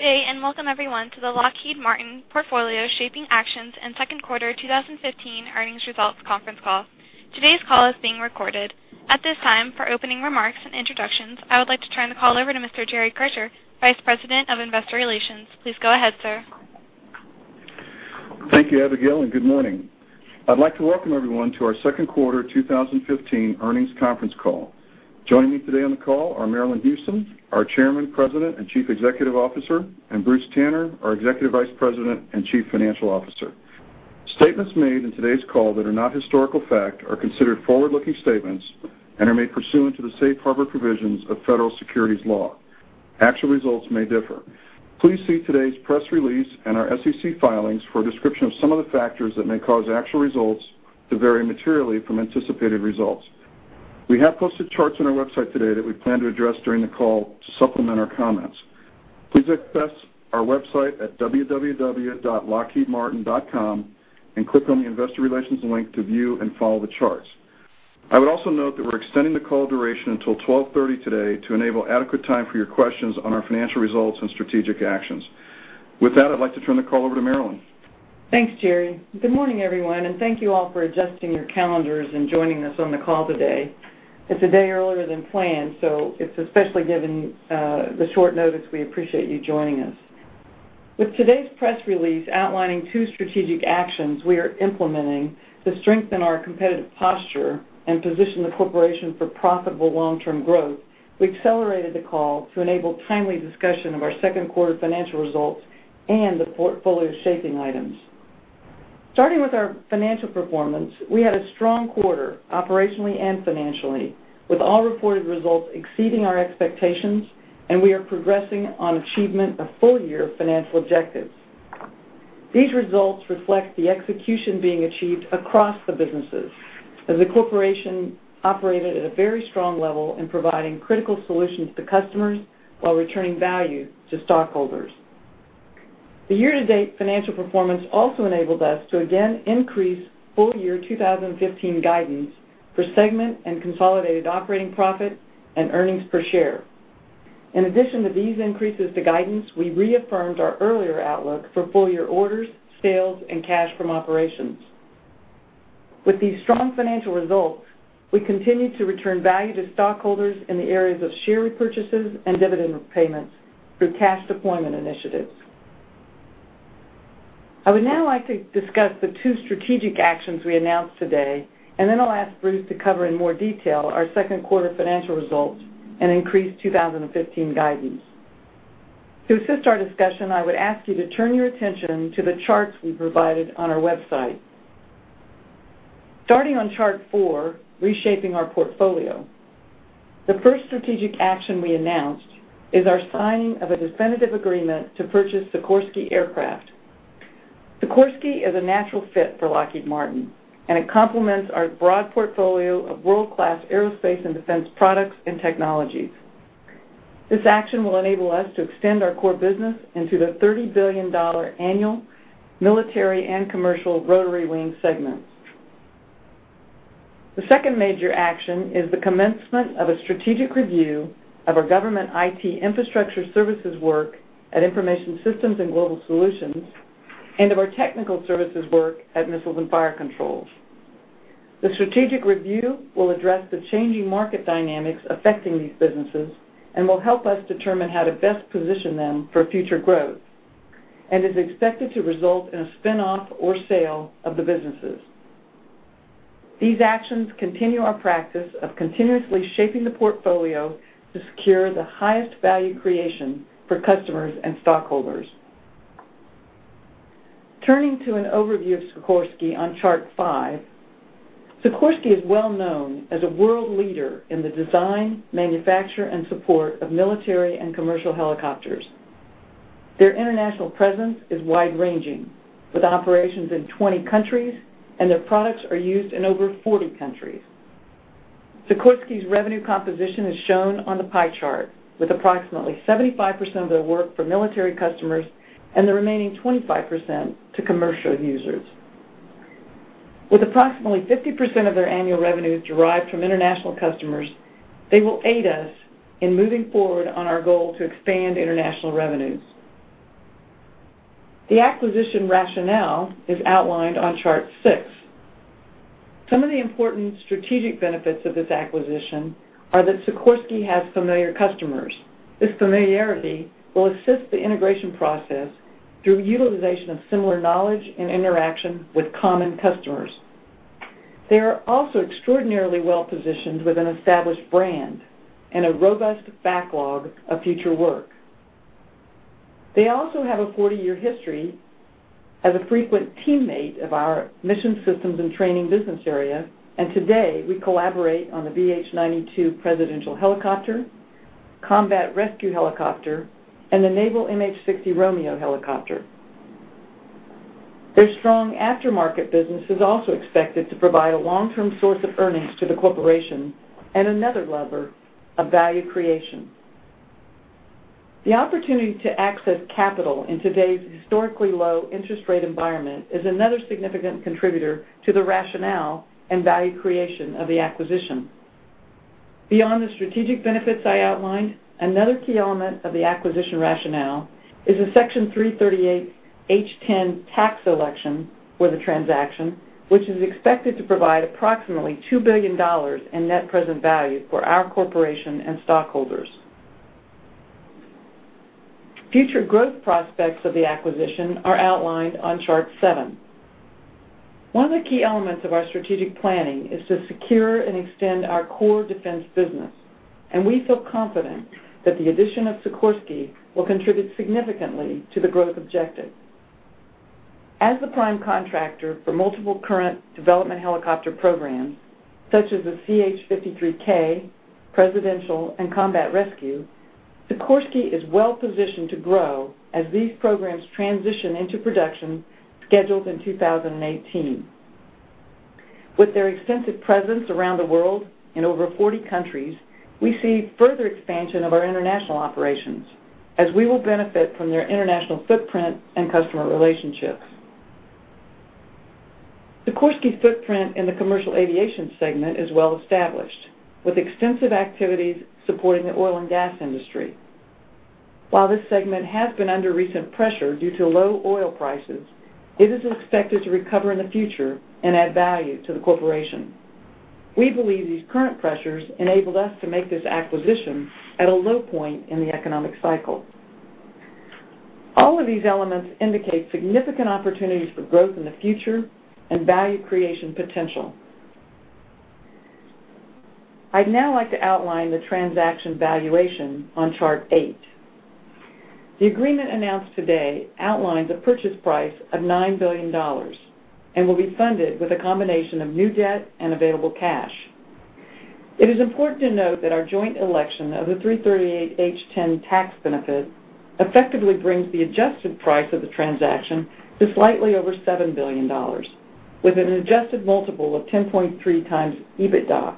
Good day, and welcome everyone to the Lockheed Martin Portfolio Shaping Actions and Second Quarter 2015 Earnings Results conference call. Today's call is being recorded. At this time, for opening remarks and introductions, I would like to turn the call over to Mr. Jerry Kircher, Vice President of Investor Relations. Please go ahead, sir. Thank you, Abigail, and good morning. I'd like to welcome everyone to our second quarter 2015 earnings conference call. Joining me today on the call are Marillyn Hewson, our Chairman, President, and Chief Executive Officer, and Bruce Tanner, our Executive Vice President and Chief Financial Officer. Statements made in today's call that are not historical fact are considered forward-looking statements and are made pursuant to the safe harbor provisions of federal securities law. Actual results may differ. Please see today's press release and our SEC filings for a description of some of the factors that may cause actual results to vary materially from anticipated results. We have posted charts on our website today that we plan to address during the call to supplement our comments. Please access our website at www.lockheedmartin.com and click on the Investor Relations link to view and follow the charts. I would also note that we're extending the call duration until 12:30 P.M. today to enable adequate time for your questions on our financial results and strategic actions. With that, I'd like to turn the call over to Marillyn. Thanks, Jerry. Good morning, everyone, and thank you all for adjusting your calendars and joining us on the call today. It's a day earlier than planned, so especially given the short notice, we appreciate you joining us. With today's press release outlining two strategic actions we are implementing to strengthen our competitive posture and position the corporation for profitable long-term growth, we accelerated the call to enable timely discussion of our second quarter financial results and the portfolio shaping items. Starting with our financial performance, we had a strong quarter operationally and financially, with all reported results exceeding our expectations, and we are progressing on achievement of full-year financial objectives. These results reflect the execution being achieved across the businesses as the corporation operated at a very strong level in providing critical solutions to customers while returning value to stockholders. The year-to-date financial performance also enabled us to again increase full-year 2015 guidance for segment and consolidated operating profit and earnings per share. In addition to these increases to guidance, we reaffirmed our earlier outlook for full-year orders, sales, and cash from operations. With these strong financial results, we continue to return value to stockholders in the areas of share repurchases and dividend payments through cash deployment initiatives. I would now like to discuss the two strategic actions we announced today, then I'll ask Bruce to cover in more detail our second quarter financial results and increased 2015 guidance. To assist our discussion, I would ask you to turn your attention to the charts we provided on our website. Starting on Chart 4, Reshaping Our Portfolio. The first strategic action we announced is our signing of a definitive agreement to purchase Sikorsky Aircraft. Sikorsky is a natural fit for Lockheed Martin, it complements our broad portfolio of world-class aerospace and defense products and technologies. This action will enable us to extend our core business into the $30 billion annual military and commercial rotary wing segments. The second major action is the commencement of a strategic review of our government IT infrastructure services work at Information Systems & Global Solutions, and of our technical services work at Missiles and Fire Control. The strategic review will address the changing market dynamics affecting these businesses and will help us determine how to best position them for future growth, is expected to result in a spin-off or sale of the businesses. These actions continue our practice of continuously shaping the portfolio to secure the highest value creation for customers and stockholders. Turning to an overview of Sikorsky on Chart five. Sikorsky is well known as a world leader in the design, manufacture, and support of military and commercial helicopters. Their international presence is wide-ranging, with operations in 20 countries, their products are used in over 40 countries. Sikorsky's revenue composition is shown on the pie chart, with approximately 75% of their work for military customers and the remaining 25% to commercial users. With approximately 50% of their annual revenues derived from international customers, they will aid us in moving forward on our goal to expand international revenues. The acquisition rationale is outlined on Chart six. Some of the important strategic benefits of this acquisition are that Sikorsky has familiar customers. This familiarity will assist the integration process through utilization of similar knowledge and interaction with common customers. They are also extraordinarily well-positioned with an established brand and a robust backlog of future work. They also have a 40-year history as a frequent teammate of our Mission Systems and Training business area, today, we collaborate on the VH-92 Presidential Helicopter, Combat Rescue Helicopter, and the naval MH-60 Romeo helicopter. Their strong aftermarket business is also expected to provide a long-term source of earnings to the corporation and another lever of value creation. The opportunity to access capital in today's historically low interest rate environment is another significant contributor to the rationale and value creation of the acquisition. Beyond the strategic benefits I outlined, another key element of the acquisition rationale is the Section 338(h)(10) tax election for the transaction, which is expected to provide approximately $2 billion in net present value for our corporation and stockholders. Future growth prospects of the acquisition are outlined on Chart seven. One of the key elements of our strategic planning is to secure and extend our core defense business, we feel confident that the addition of Sikorsky will contribute significantly to the growth objective. As the prime contractor for multiple current development helicopter programs, such as the CH-53K, Presidential and Combat Rescue, Sikorsky is well-positioned to grow as these programs transition into production scheduled in 2018. With their extensive presence around the world in over 40 countries, we see further expansion of our international operations as we will benefit from their international footprint and customer relationships. Sikorsky's footprint in the commercial aviation segment is well established, with extensive activities supporting the oil and gas industry. While this segment has been under recent pressure due to low oil prices, it is expected to recover in the future and add value to the corporation. We believe these current pressures enabled us to make this acquisition at a low point in the economic cycle. All of these elements indicate significant opportunities for growth in the future and value creation potential. I'd now like to outline the transaction valuation on Chart 8. The agreement announced today outlines a purchase price of $9 billion and will be funded with a combination of new debt and available cash. It is important to note that our joint election of the Section 338(h)(10) tax benefit effectively brings the adjusted price of the transaction to slightly over $7 billion, with an adjusted multiple of 10.3 times EBITDA.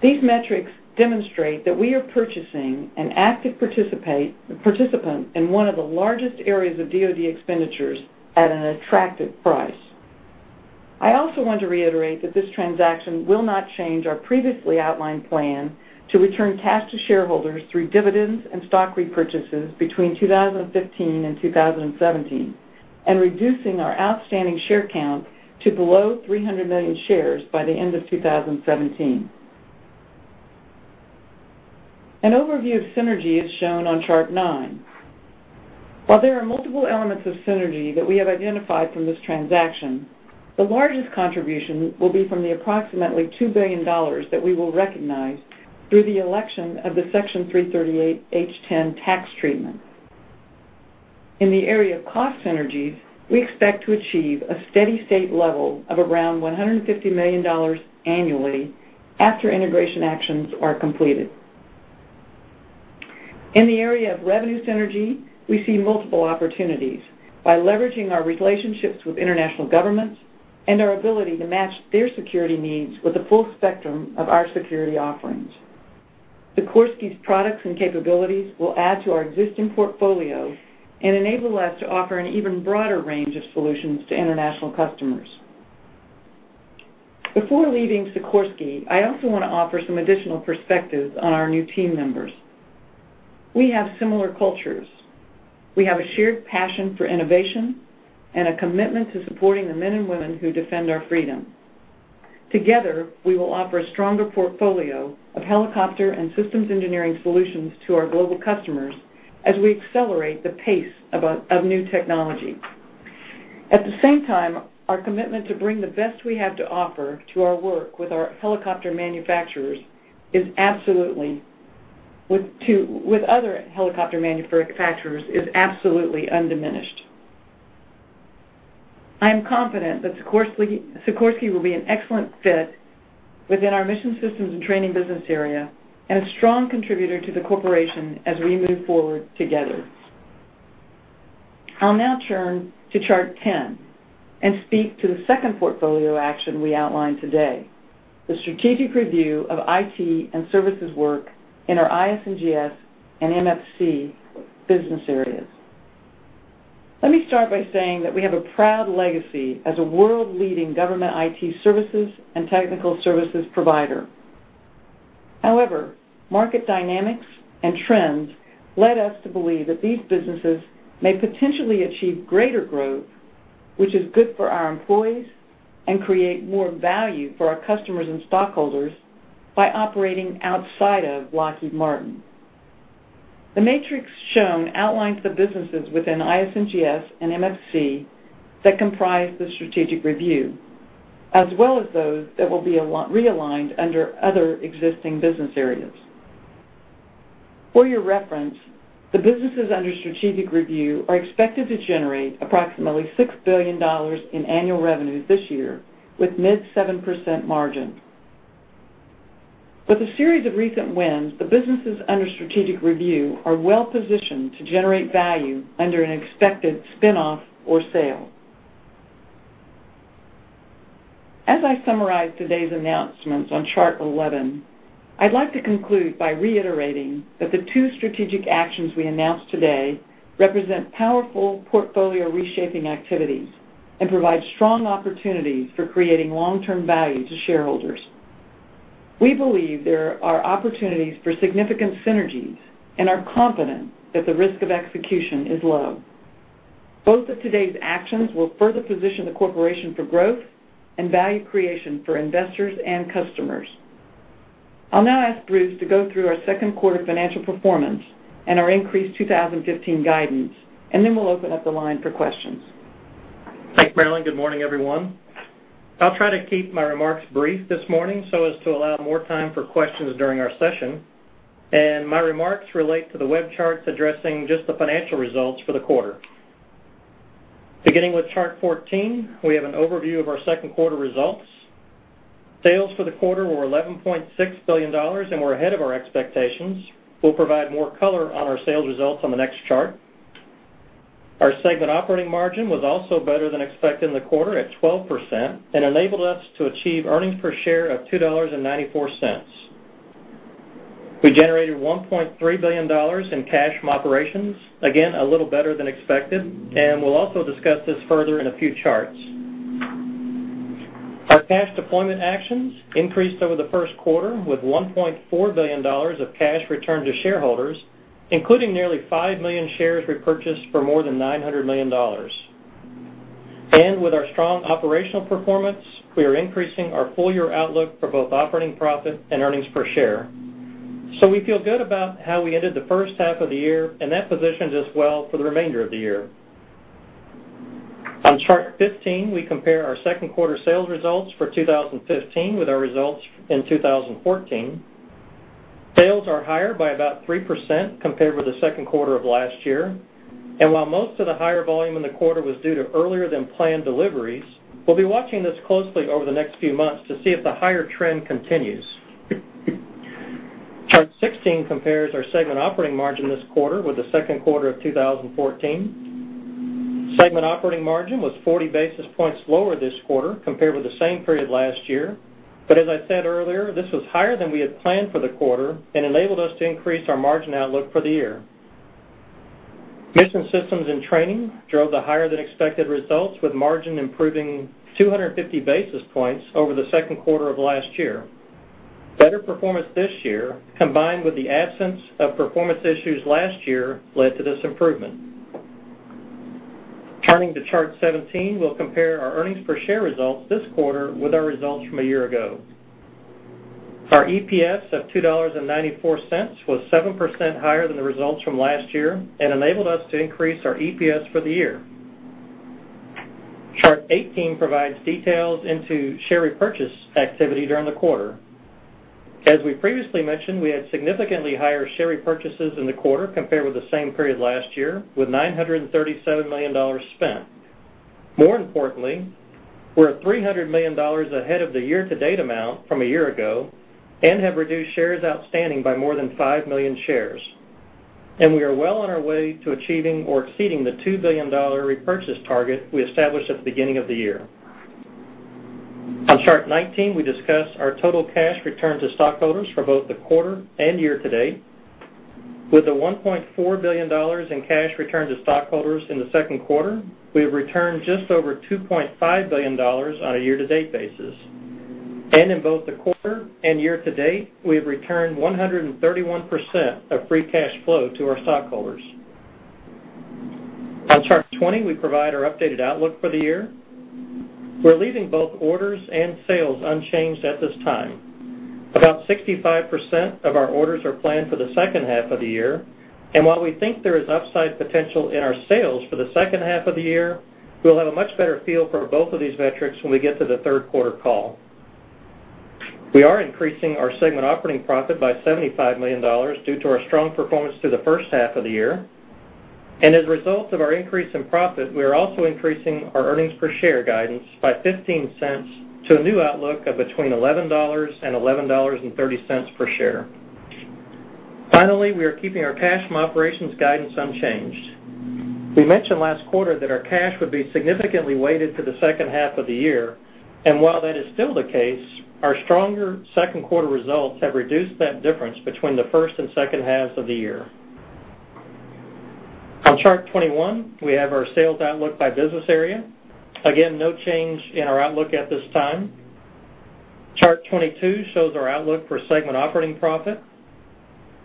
These metrics demonstrate that we are purchasing an active participant in one of the largest areas of DoD expenditures at an attractive price. I also want to reiterate that this transaction will not change our previously outlined plan to return cash to shareholders through dividends and stock repurchases between 2015 and 2017 and reducing our outstanding share count to below 300 million shares by the end of 2017. An overview of synergy is shown on Chart nine. While there are multiple elements of synergy that we have identified from this transaction, the largest contribution will be from the approximately $2 billion that we will recognize through the election of the Section 338(h)(10) tax treatment. In the area of cost synergies, we expect to achieve a steady state level of around $150 million annually after integration actions are completed. In the area of revenue synergy, we see multiple opportunities by leveraging our relationships with international governments and our ability to match their security needs with the full spectrum of our security offerings. Sikorsky's products and capabilities will add to our existing portfolio and enable us to offer an even broader range of solutions to international customers. Before leaving Sikorsky, I also want to offer some additional perspectives on our new team members. We have similar cultures. We have a shared passion for innovation and a commitment to supporting the men and women who defend our freedom. Together, we will offer a stronger portfolio of helicopter and systems engineering solutions to our global customers as we accelerate the pace of new technology. At the same time, our commitment to bring the best we have to offer to our work with other helicopter manufacturers is absolutely undiminished. I am confident that Sikorsky will be an excellent fit within our Mission Systems and Training business area and a strong contributor to the corporation as we move forward together. I'll now turn to Chart 10 and speak to the second portfolio action we outlined today, the strategic review of IT and services work in our IS&GS and MFC business areas. Let me start by saying that we have a proud legacy as a world-leading government IT services and technical services provider. However, market dynamics and trends led us to believe that these businesses may potentially achieve greater growth, which is good for our employees and create more value for our customers and stockholders by operating outside of Lockheed Martin. The matrix shown outlines the businesses within IS&GS and MFC that comprise the strategic review, as well as those that will be realigned under other existing business areas. For your reference, the businesses under strategic review are expected to generate approximately $6 billion in annual revenues this year, with mid 7% margins. With a series of recent wins, the businesses under strategic review are well-positioned to generate value under an expected spin-off or sale. As I summarize today's announcements on Chart 11, I'd like to conclude by reiterating that the two strategic actions we announced today represent powerful portfolio reshaping activities and provide strong opportunities for creating long-term value to shareholders. We believe there are opportunities for significant synergies and are confident that the risk of execution is low. Both of today's actions will further position the corporation for growth and value creation for investors and customers. I'll now ask Bruce to go through our second quarter financial performance and our increased 2015 guidance, then we'll open up the line for questions. Thanks, Marillyn. Good morning, everyone. I'll try to keep my remarks brief this morning so as to allow more time for questions during our session. My remarks relate to the web charts addressing just the financial results for the quarter. Beginning with Chart 14, we have an overview of our second quarter results. Sales for the quarter were $11.6 billion and were ahead of our expectations. We'll provide more color on our sales results on the next chart. Our segment operating margin was also better than expected in the quarter at 12% and enabled us to achieve earnings per share of $2.94. We generated $1.3 billion in cash from operations, again, a little better than expected, and we'll also discuss this further in a few charts. Our cash deployment actions increased over the first quarter with $1.4 billion of cash returned to shareholders, including nearly 5 million shares repurchased for more than $900 million. With our strong operational performance, we are increasing our full-year outlook for both operating profit and earnings per share. We feel good about how we ended the first half of the year, and that positions us well for the remainder of the year. On Chart 15, we compare our second quarter sales results for 2015 with our results in 2014. Sales are higher by about 3% compared with the second quarter of last year. While most of the higher volume in the quarter was due to earlier than planned deliveries, we'll be watching this closely over the next few months to see if the higher trend continues. Chart 16 compares our segment operating margin this quarter with the second quarter of 2014. Segment operating margin was 40 basis points lower this quarter compared with the same period last year. As I said earlier, this was higher than we had planned for the quarter and enabled us to increase our margin outlook for the year. Mission Systems and Training drove the higher than expected results with margin improving 250 basis points over the second quarter of last year. Better performance this year, combined with the absence of performance issues last year, led to this improvement. Turning to Chart 17, we'll compare our earnings per share results this quarter with our results from a year ago. Our EPS of $2.94 was 7% higher than the results from last year and enabled us to increase our EPS for the year. Chart 18 provides details into share repurchase activity during the quarter. As we previously mentioned, we had significantly higher share purchases in the quarter compared with the same period last year, with $937 million spent. More importantly, we're at $300 million ahead of the year-to-date amount from a year ago and have reduced shares outstanding by more than five million shares. We are well on our way to achieving or exceeding the $2 billion repurchase target we established at the beginning of the year. On Chart 19, we discuss our total cash return to stockholders for both the quarter and year-to-date. With the $1.4 billion in cash returned to stockholders in the second quarter, we have returned just over $2.5 billion on a year-to-date basis. In both the quarter and year-to-date, we have returned 131% of free cash flow to our stockholders. On Chart 20, we provide our updated outlook for the year. We're leaving both orders and sales unchanged at this time. About 65% of our orders are planned for the second half of the year, and while we think there is upside potential in our sales for the second half of the year, we'll have a much better feel for both of these metrics when we get to the third quarter call. We are increasing our segment operating profit by $75 million due to our strong performance through the first half of the year. As a result of our increase in profit, we are also increasing our earnings per share guidance by $0.15 to a new outlook of between $11 and $11.30 per share. Finally, we are keeping our cash from operations guidance unchanged. We mentioned last quarter that our cash would be significantly weighted to the second half of the year, and while that is still the case, our stronger second quarter results have reduced that difference between the first and second halves of the year. On Chart 21, we have our sales outlook by business area. Again, no change in our outlook at this time. Chart 22 shows our outlook for segment operating profit.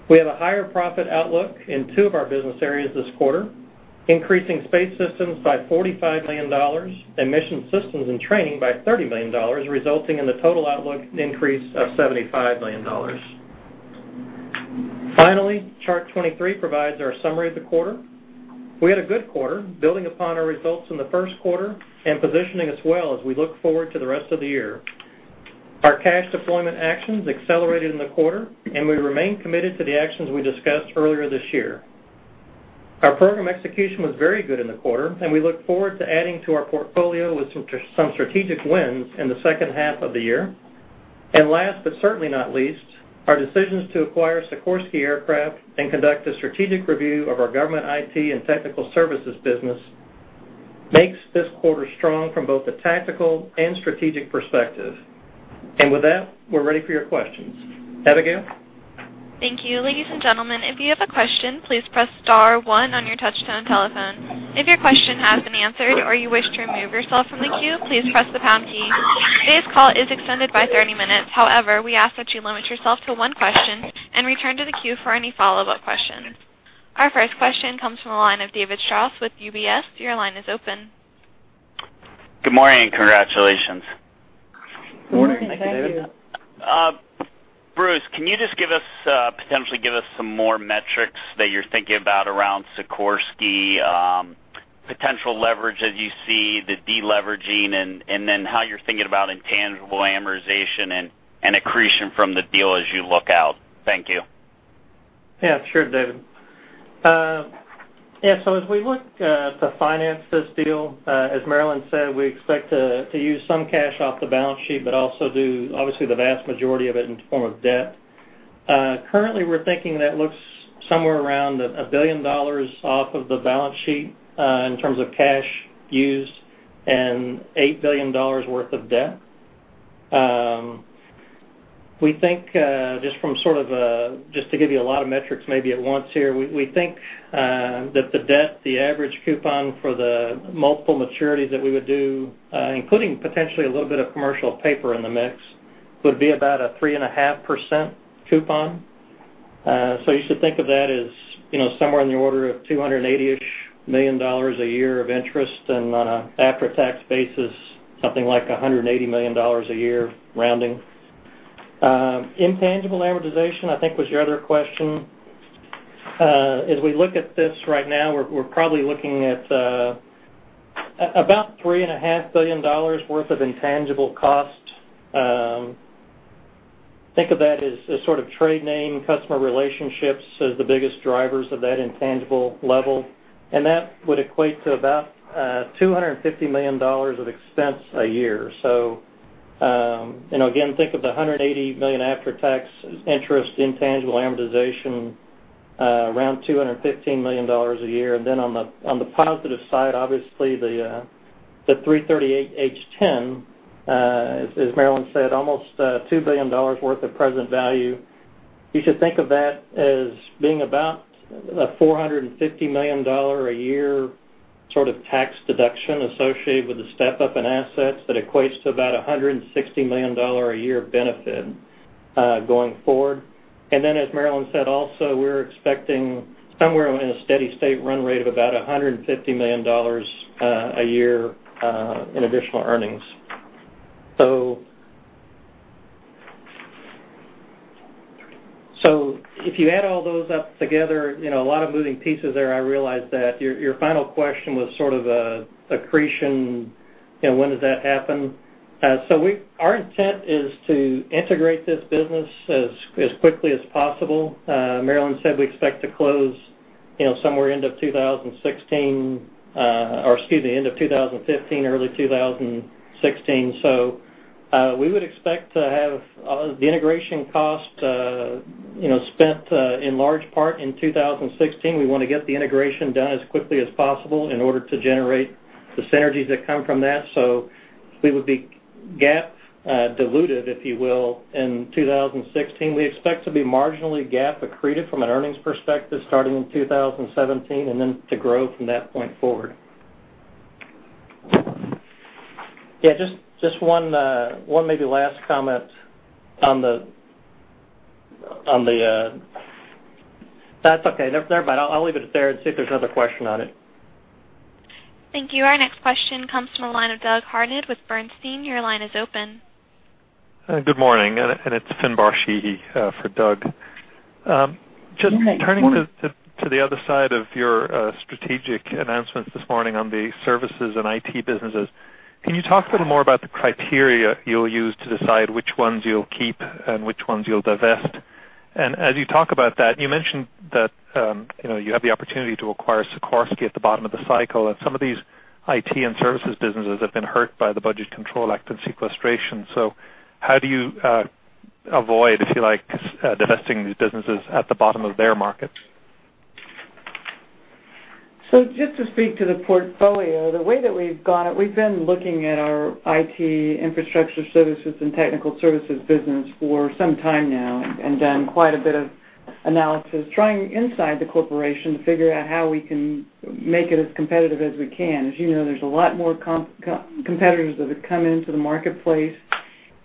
We have a higher profit outlook in two of our business areas this quarter, increasing Space Systems by $45 million and Mission Systems and Training by $30 million, resulting in the total outlook increase of $75 million. Finally, Chart 23 provides our summary of the quarter. We had a good quarter, building upon our results in the first quarter and positioning us well as we look forward to the rest of the year. Our cash deployment actions accelerated in the quarter, we remain committed to the actions we discussed earlier this year. Our program execution was very good in the quarter, we look forward to adding to our portfolio with some strategic wins in the second half of the year. Last, but certainly not least, our decisions to acquire Sikorsky Aircraft and conduct a strategic review of our government IT and technical services business Makes this quarter strong from both a tactical and strategic perspective. With that, we're ready for your questions. Abigail? Thank you. Ladies and gentlemen, if you have a question, please press star one on your touch-tone telephone. If your question has been answered or you wish to remove yourself from the queue, please press the # key. Today's call is extended by 30 minutes. However, we ask that you limit yourself to one question and return to the queue for any follow-up questions. Our first question comes from the line of David Strauss with UBS. Your line is open. Good morning, congratulations. Good morning. Thank you. Thank you. Bruce, can you just potentially give us some more metrics that you're thinking about around Sikorsky, potential leverage as you see the de-leveraging, and then how you're thinking about intangible amortization and accretion from the deal as you look out? Thank you. Yeah, sure, David. As we look to finance this deal, as Marillyn said, we expect to use some cash off the balance sheet, but also do obviously the vast majority of it in the form of debt. Currently, we're thinking that looks somewhere around $1 billion off of the balance sheet in terms of cash used and $8 billion worth of debt. Just to give you a lot of metrics maybe at once here, we think that the debt, the average coupon for the multiple maturities that we would do, including potentially a little bit of commercial paper in the mix, would be about a 3.5% coupon. You should think of that as somewhere in the order of $280-ish million a year of interest, and on an after-tax basis, something like $180 million a year, rounding. Intangible amortization, I think was your other question. As we look at this right now, we're probably looking at about $3.5 billion worth of intangible costs. Think of that as sort of trade name, customer relationships as the biggest drivers of that intangible level. That would equate to about $250 million of expense a year. Again, think of the $180 million after-tax interest, intangible amortization, around $215 million a year. Then on the positive side, obviously, the 338(h)(10), as Marillyn said, almost $2 billion worth of present value. You should think of that as being about a $450 million a year sort of tax deduction associated with the step-up in assets that equates to about $160 million a year benefit going forward. As Marillyn said, also, we're expecting somewhere in a steady state run rate of about $150 million a year in additional earnings. If you add all those up together, a lot of moving pieces there, I realize that. Your final question was sort of accretion, when does that happen? Our intent is to integrate this business as quickly as possible. Marillyn said we expect to close somewhere end of 2016 or, excuse me, end of 2015, early 2016. We would expect to have the integration cost spent in large part in 2016. We want to get the integration done as quickly as possible in order to generate the synergies that come from that. We would be GAAP diluted, if you will, in 2016. We expect to be marginally GAAP accretive from an earnings perspective starting in 2017, and then to grow from that point forward. Just one maybe last comment on the That's okay. Never mind. I'll leave it there and see if there's another question on it. Thank you. Our next question comes from the line of Douglas Harned with Bernstein. Your line is open. Good morning, it's Finbar Sheehy for Doug. Just turning to the other side of your strategic announcements this morning on the services and IT businesses, can you talk a little more about the criteria you'll use to decide which ones you'll keep and which ones you'll divest? As you talk about that, you mentioned that you have the opportunity to acquire Sikorsky at the bottom of the cycle, and some of these IT and services businesses have been hurt by the Budget Control Act and sequestration. How do you avoid, if you like, divesting these businesses at the bottom of their markets? Just to speak to the portfolio, the way that we've gone, we've been looking at our IT infrastructure services and technical services business for some time now and done quite a bit of analysis trying inside the corporation to figure out how we can make it as competitive as we can. As you know, there's a lot more competitors that have come into the marketplace,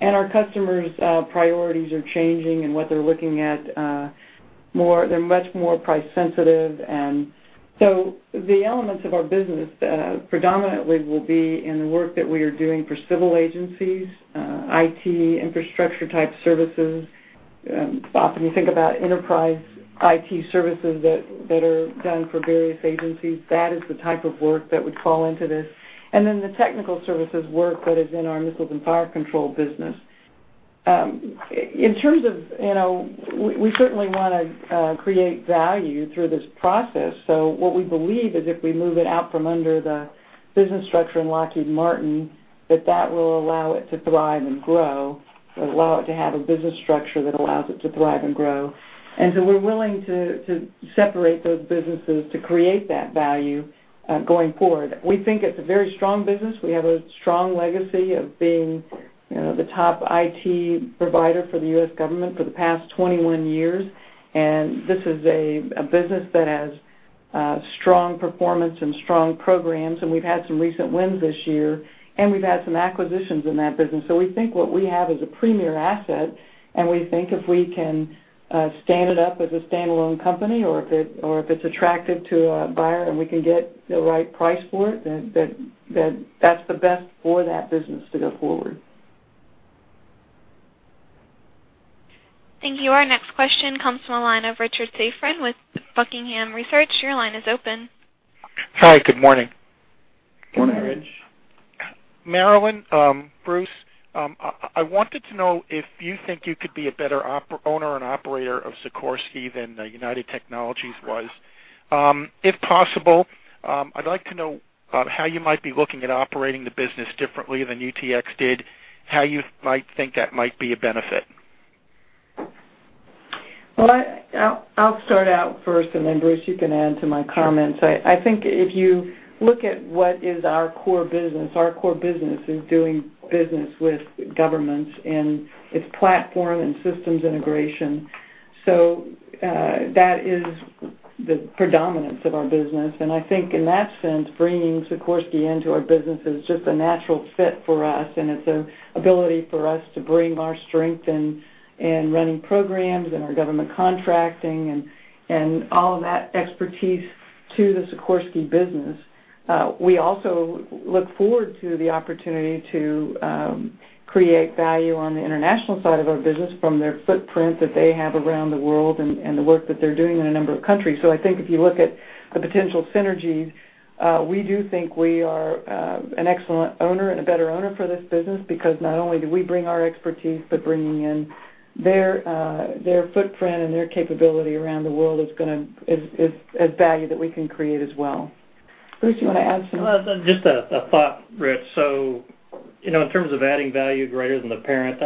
and our customers' priorities are changing in what they're looking at. They're much more price sensitive. The elements of our business predominantly will be in the work that we are doing for civil agencies, IT infrastructure type services. Often you think about enterprise IT services that are done for various agencies. That is the type of work that would fall into this. The technical services work that is in our Missiles and Fire Control business. In terms of, we certainly want to create value through this process. What we believe is if we move it out from under the business structure in Lockheed Martin, that that will allow it to thrive and grow, allow it to have a business structure that allows it to thrive and grow. We're willing to separate those businesses to create that value going forward. We think it's a very strong business. We have a strong legacy of being the top IT provider for the U.S. government for the past 21 years, and this is a business that has Strong performance and strong programs, and we've had some recent wins this year, and we've had some acquisitions in that business. We think what we have is a premier asset, and we think if we can stand it up as a standalone company or if it's attractive to a buyer and we can get the right price for it, then that's the best for that business to go forward. Thank you. Our next question comes from the line of Richard Safran with Buckingham Research. Your line is open. Hi, good morning. Good morning. Marillyn, Bruce, I wanted to know if you think you could be a better owner and operator of Sikorsky than United Technologies was. If possible, I'd like to know how you might be looking at operating the business differently than UTX did, how you might think that might be a benefit. I'll start out first, and then Bruce, you can add to my comments. I think if you look at what is our core business, our core business is doing business with governments, and it's platform and systems integration. That is the predominance of our business. I think in that sense, bringing Sikorsky into our business is just a natural fit for us, and it's an ability for us to bring our strength in running programs and our government contracting and all of that expertise to the Sikorsky business. We also look forward to the opportunity to create value on the international side of our business from their footprint that they have around the world and the work that they're doing in a number of countries. I think if you look at the potential synergies, we do think we are an excellent owner and a better owner for this business because not only do we bring our expertise, but bringing in their footprint and their capability around the world is value that we can create as well. Bruce, you want to add something? Just a thought, Rich. In terms of adding value greater than the parent,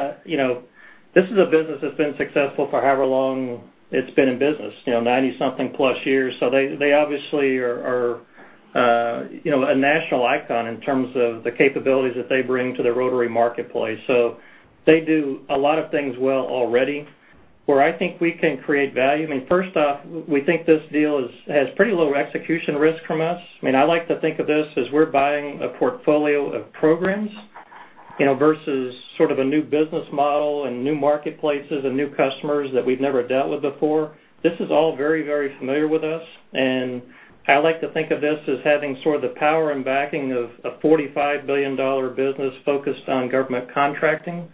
this is a business that's been successful for however long it's been in business, 90-something-plus years. They obviously are a national icon in terms of the capabilities that they bring to the rotary marketplace. They do a lot of things well already. Where I think we can create value, I mean, first off, we think this deal has pretty low execution risk from us. I like to think of this as we're buying a portfolio of programs versus sort of a new business model and new marketplaces and new customers that we've never dealt with before. This is all very familiar with us, and I like to think of this as having sort of the power and backing of a $45 billion business focused on government contracting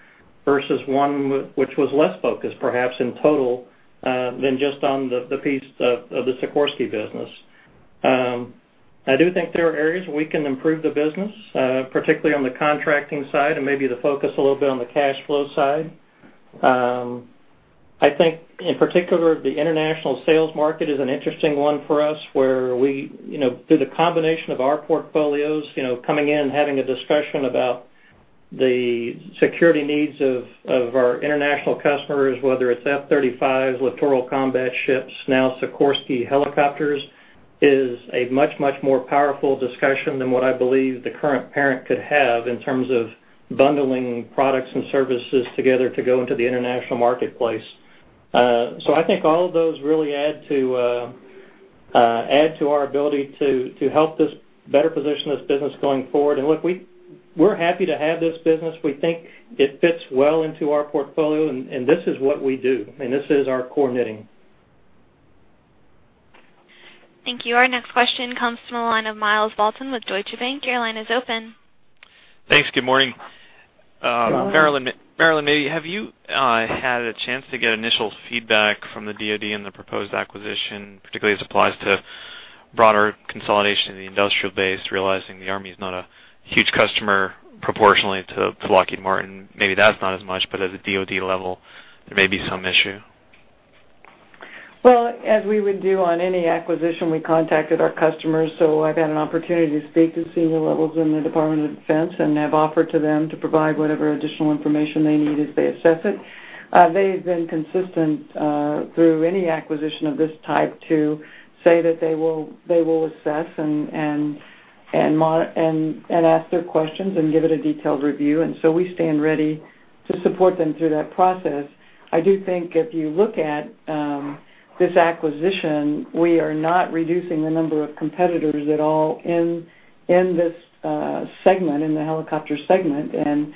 versus one which was less focused, perhaps, in total than just on the piece of the Sikorsky business. I do think there are areas where we can improve the business, particularly on the contracting side and maybe the focus a little bit on the cash flow side. I think, in particular, the international sales market is an interesting one for us, where we, through the combination of our portfolios, coming in, having a discussion about the security needs of our international customers, whether it's F-35s, Littoral Combat Ships, now Sikorsky helicopters, is a much more powerful discussion than what I believe the current parent could have in terms of bundling products and services together to go into the international marketplace. I think all of those really add to our ability to help better position this business going forward. Look, we're happy to have this business. We think it fits well into our portfolio, and this is what we do. This is our core knitting. Thank you. Our next question comes from the line of Myles Walton with Deutsche Bank. Your line is open. Thanks. Good morning. Good morning. Marillyn, have you had a chance to get initial feedback from the DoD on the proposed acquisition, particularly as it applies to broader consolidation in the industrial base, realizing the Army is not a huge customer proportionally to Lockheed Martin? Maybe that's not as much, but at the DoD level, there may be some issue. As we would do on any acquisition, we contacted our customers. I've had an opportunity to speak to senior levels in the Department of Defense and have offered to them to provide whatever additional information they need as they assess it. They have been consistent through any acquisition of this type to say that they will assess and ask their questions and give it a detailed review. We stand ready to support them through that process. I do think if you look at this acquisition, we are not reducing the number of competitors at all in this segment, in the helicopter segment. In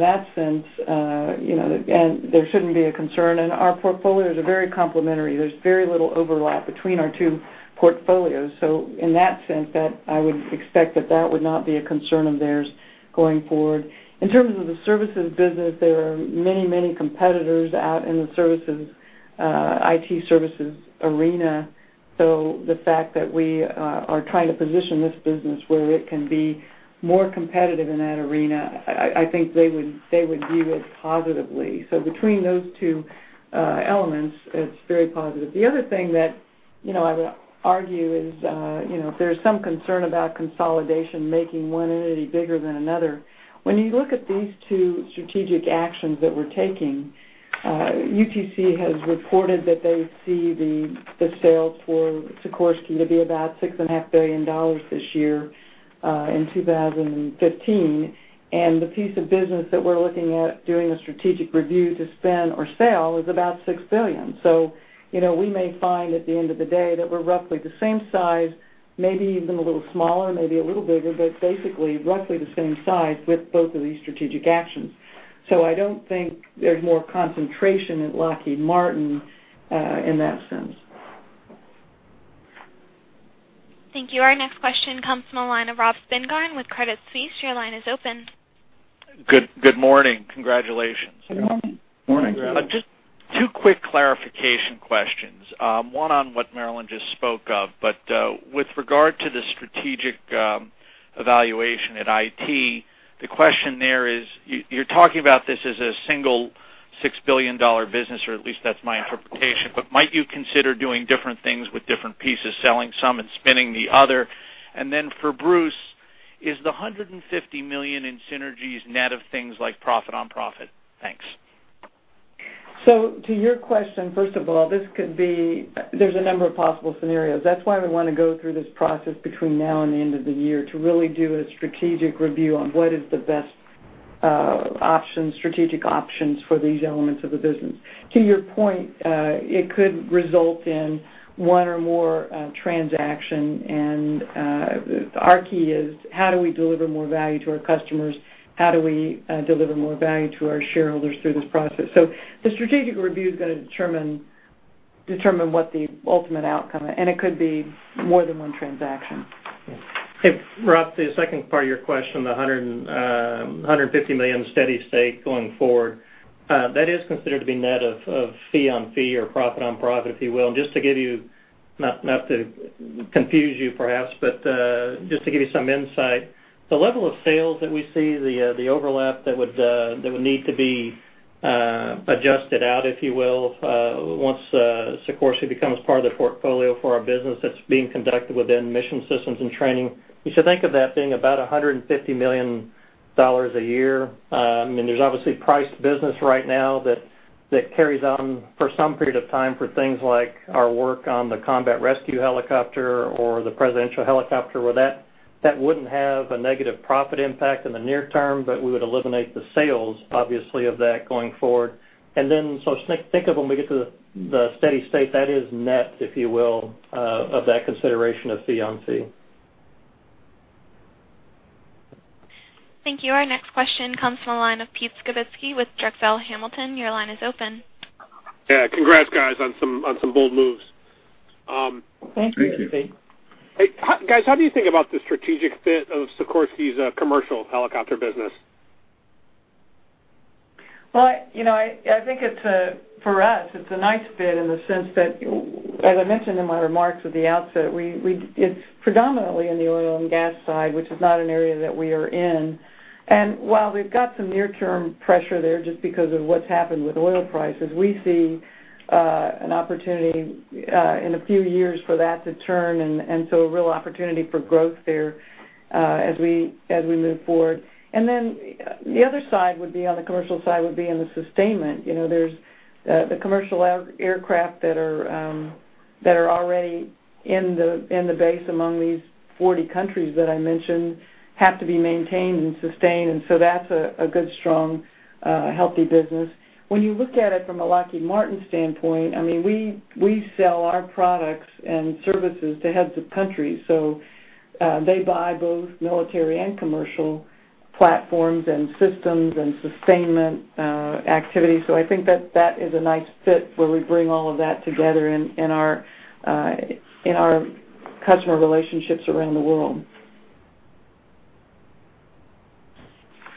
that sense, there shouldn't be a concern. Our portfolios are very complementary. There's very little overlap between our two portfolios. In that sense, I would expect that that would not be a concern of theirs going forward. In terms of the services business, there are many competitors out in the IT services arena. The fact that we are trying to position this business where it can be more competitive in that arena, I think they would view it positively. Between those two elements, it's very positive. The other thing that I would argue is, if there's some concern about consolidation making one entity bigger than another When you look at these two strategic actions that we're taking, UTC has reported that they see the sales for Sikorsky to be about $6.5 billion this year in 2015. The piece of business that we're looking at doing a strategic review to spin or sell is about $6 billion. We may find at the end of the day that we're roughly the same size, maybe even a little smaller, maybe a little bigger, but basically roughly the same size with both of these strategic actions. I don't think there's more concentration at Lockheed Martin in that sense. Thank you. Our next question comes from the line of Robert Spingarn with Credit Suisse. Your line is open. Good morning. Congratulations. Good morning. Morning. Just two quick clarification questions. One on what Marillyn just spoke of, but with regard to the strategic evaluation at IS&GS, the question there is, you're talking about this as a single $6 billion business, or at least that's my interpretation, but might you consider doing different things with different pieces, selling some and spinning the other? Then for Bruce, is the $150 million in synergies net of things like profit on profit? Thanks. To your question, first of all, there's a number of possible scenarios. That's why we want to go through this process between now and the end of the year to really do a strategic review on what is the best strategic options for these elements of the business. To your point, it could result in one or more transaction, our key is how do we deliver more value to our customers? How do we deliver more value to our shareholders through this process? The strategic review is going to determine what the ultimate outcome, and it could be more than one transaction. Hey, Rob, the second part of your question, the $150 million steady state going forward, that is considered to be net of fee on fee or profit on profit, if you will. Not to confuse you, perhaps, but just to give you some insight, the level of sales that we see, the overlap that would need to be adjusted out, if you will, once Sikorsky becomes part of the portfolio for our business that's being conducted within Mission Systems and Training, you should think of that being about $150 million a year. There's obviously priced business right now that carries on for some period of time for things like our work on the Combat Rescue Helicopter or the Presidential Helicopter, where that wouldn't have a negative profit impact in the near term, but we would eliminate the sales, obviously, of that going forward. Think of when we get to the steady state, that is net, if you will, of that consideration of fee on fee. Thank you. Our next question comes from the line of Pete Skibitski with Drexel Hamilton. Your line is open. Yeah. Congrats, guys, on some bold moves. Thank you. Thank you. Hey, guys, how do you think about the strategic fit of Sikorsky's commercial helicopter business? Well, I think for us, it's a nice fit in the sense that, as I mentioned in my remarks at the outset, it's predominantly in the oil and gas side, which is not an area that we are in. While we've got some near-term pressure there just because of what's happened with oil prices, we see an opportunity in a few years for that to turn, so a real opportunity for growth there as we move forward. Then the other side would be on the commercial side would be in the sustainment. There's the commercial aircraft that are already in the base among these 40 countries that I mentioned have to be maintained and sustained, so that's a good, strong, healthy business. When you look at it from a Lockheed Martin standpoint, we sell our products and services to heads of countries. They buy both military and commercial platforms and systems and sustainment activities. I think that that is a nice fit where we bring all of that together in our customer relationships around the world.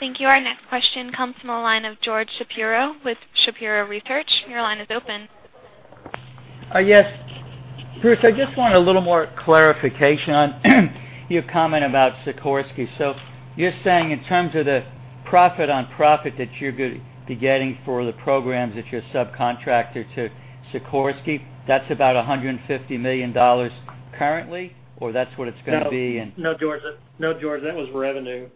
Thank you. Our next question comes from the line of George Shapiro with Shapiro Research. Your line is open. Yes. Bruce, I just want a little more clarification on your comment about Sikorsky. You're saying in terms of the profit on profit that you're going to be getting for the programs that you're subcontractor to Sikorsky, that's about $150 million currently, or that's what it's going to be in. No, George. That was revenue.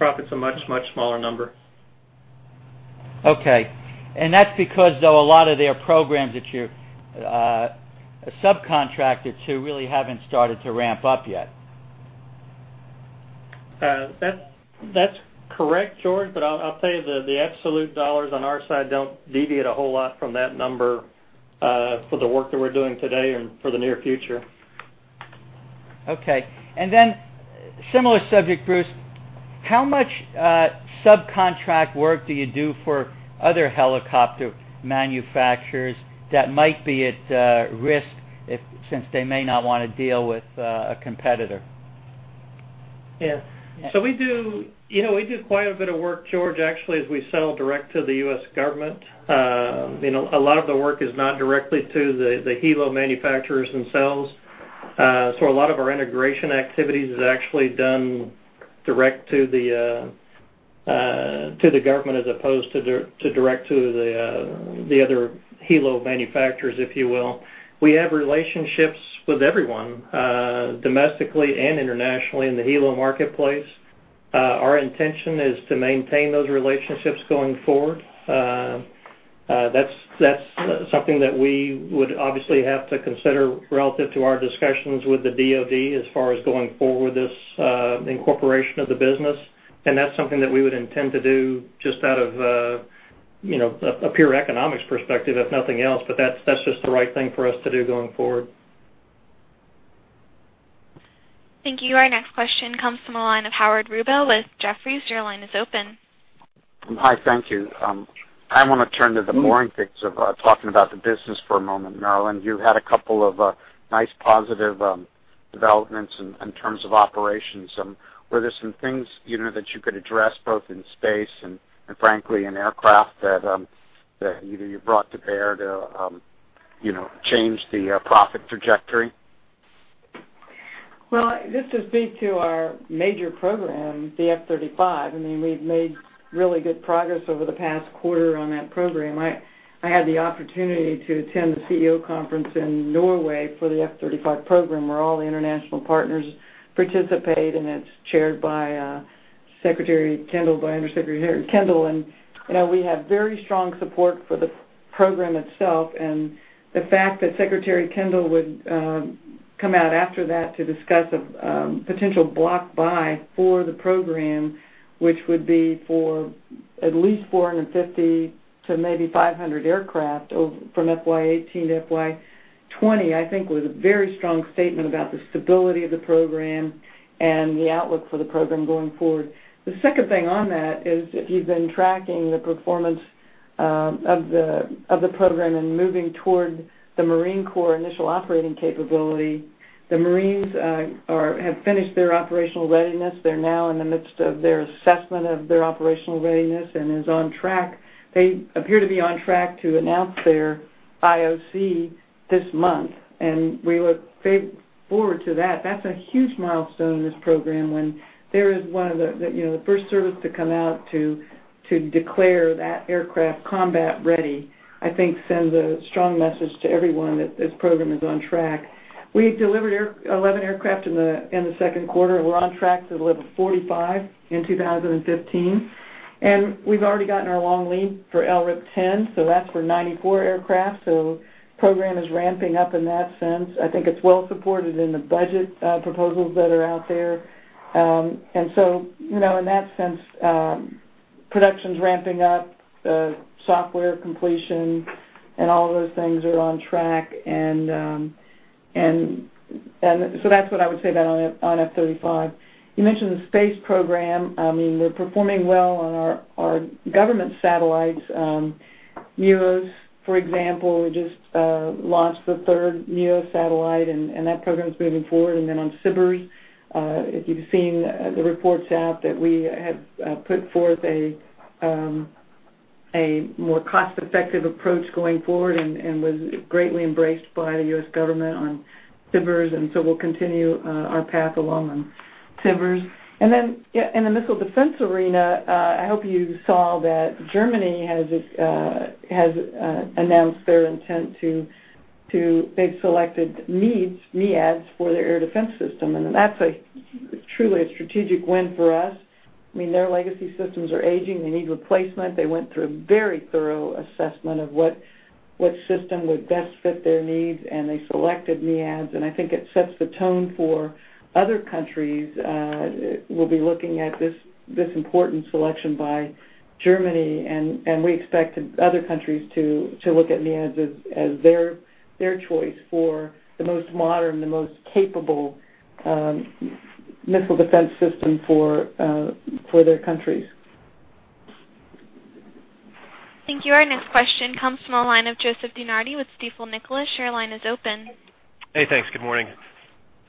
Profit's a much smaller number. Okay. That's because, though, a lot of their programs that you're a subcontractor to really haven't started to ramp up yet. That's correct, George, I'll tell you, the absolute dollars on our side don't deviate a whole lot from that number for the work that we're doing today and for the near future. Okay. Similar subject, Bruce, how much subcontract work do you do for other helicopter manufacturers that might be at risk since they may not want to deal with a competitor? Yeah. We do quite a bit of work, George, actually, as we sell direct to the U.S. government. A lot of the work is not directly to the helo manufacturers themselves. A lot of our integration activities is actually done direct to the government as opposed to direct to the other helo manufacturers, if you will. We have relationships with everyone, domestically and internationally in the helo marketplace. Our intention is to maintain those relationships going forward. That's something that we would obviously have to consider relative to our discussions with the DoD as far as going forward with this incorporation of the business. That's something that we would intend to do just out of a pure economics perspective, if nothing else, that's just the right thing for us to do going forward. Thank you. Our next question comes from the line of Howard Rubel with Jefferies. Your line is open. Hi, thank you. I want to turn to the boring things of talking about the business for a moment, Marillyn. You had a couple of nice positive developments in terms of operations. Were there some things that you could address both in space and frankly, in aircraft that either you brought to bear to change the profit trajectory? Just to speak to our major program, the F-35, we've made really good progress over the past quarter on that program. I had the opportunity to attend the CEO conference in Norway for the F-35 program, where all the international partners participate, and it's chaired by Under Secretary Kendall. We have very strong support for the program itself. The fact that Secretary Kendall would come out after that to discuss a potential block buy for the program, which would be for at least 450 to maybe 500 aircraft from FY 2018 to FY 2020, I think was a very strong statement about the stability of the program and the outlook for the program going forward. The second thing on that is, if you've been tracking the performance of the program and moving toward the Marine Corps initial operating capability, the Marines have finished their operational readiness. They're now in the midst of their assessment of their operational readiness and is on track. They appear to be on track to announce their IOC this month, and we look forward to that. That's a huge milestone in this program when there is one of the first service to come out to declare that aircraft combat ready, I think sends a strong message to everyone that this program is on track. We've delivered 11 aircraft in the second quarter. We're on track to deliver 45 in 2015. We've already gotten our long lead for LRIP 10, so that's for 94 aircraft. Program is ramping up in that sense. I think it's well supported in the budget proposals that are out there. In that sense, production's ramping up, software completion and all those things are on track. That's what I would say about on F-35. You mentioned the space program. We're performing well on our government satellites. MUOS, for example, we just launched the third MUOS satellite, and that program is moving forward. On SBIRS, if you've seen the reports out that we have put forth a more cost-effective approach going forward and was greatly embraced by the U.S. government on SBIRS. We'll continue our path along on SBIRS. In the missile defense arena, I hope you saw that Germany has announced their intent. They've selected MEADS for their air defense system. That's truly a strategic win for us. Their legacy systems are aging. They need replacement. They went through a very thorough assessment of what system would best fit their needs, and they selected MEADS. I think it sets the tone for other countries will be looking at this important selection by Germany. We expect other countries to look at MEADS as their choice for the most modern, the most capable missile defense system for their countries. Thank you. Our next question comes from the line of Joseph DeNardi with Stifel Nicolaus. Your line is open. Hey, thanks. Good morning.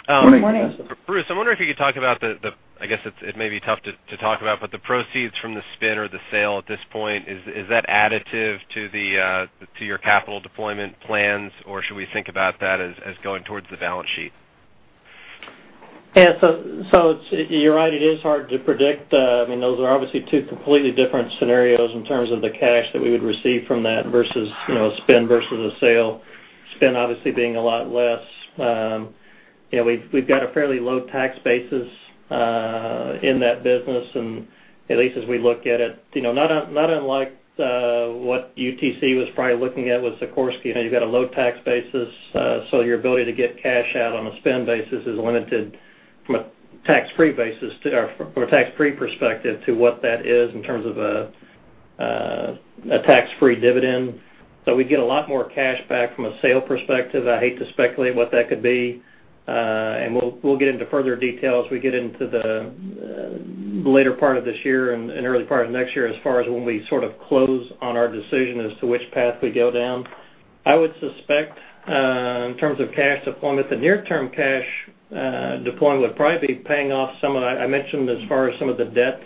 Good morning. Bruce, I wonder if you could talk about the, I guess it may be tough to talk about, but the proceeds from the spin or the sale at this point, is that additive to your capital deployment plans, or should we think about that as going towards the balance sheet? You're right. It is hard to predict. Those are obviously two completely different scenarios in terms of the cash that we would receive from that versus spin versus a sale. Spin obviously being a lot less. We've got a fairly low tax basis in that business, and at least as we look at it, not unlike what UTC was probably looking at with Sikorsky. You've got a low tax basis, so your ability to get cash out on a spend basis is limited from a tax-free basis or tax-free perspective to what that is in terms of a tax-free dividend. We'd get a lot more cash back from a sale perspective. I hate to speculate what that could be. We'll get into further detail as we get into the later part of this year and early part of next year as far as when we sort of close on our decision as to which path we go down. I would suspect, in terms of cash deployment, the near-term cash deployment would probably be paying off some of the debt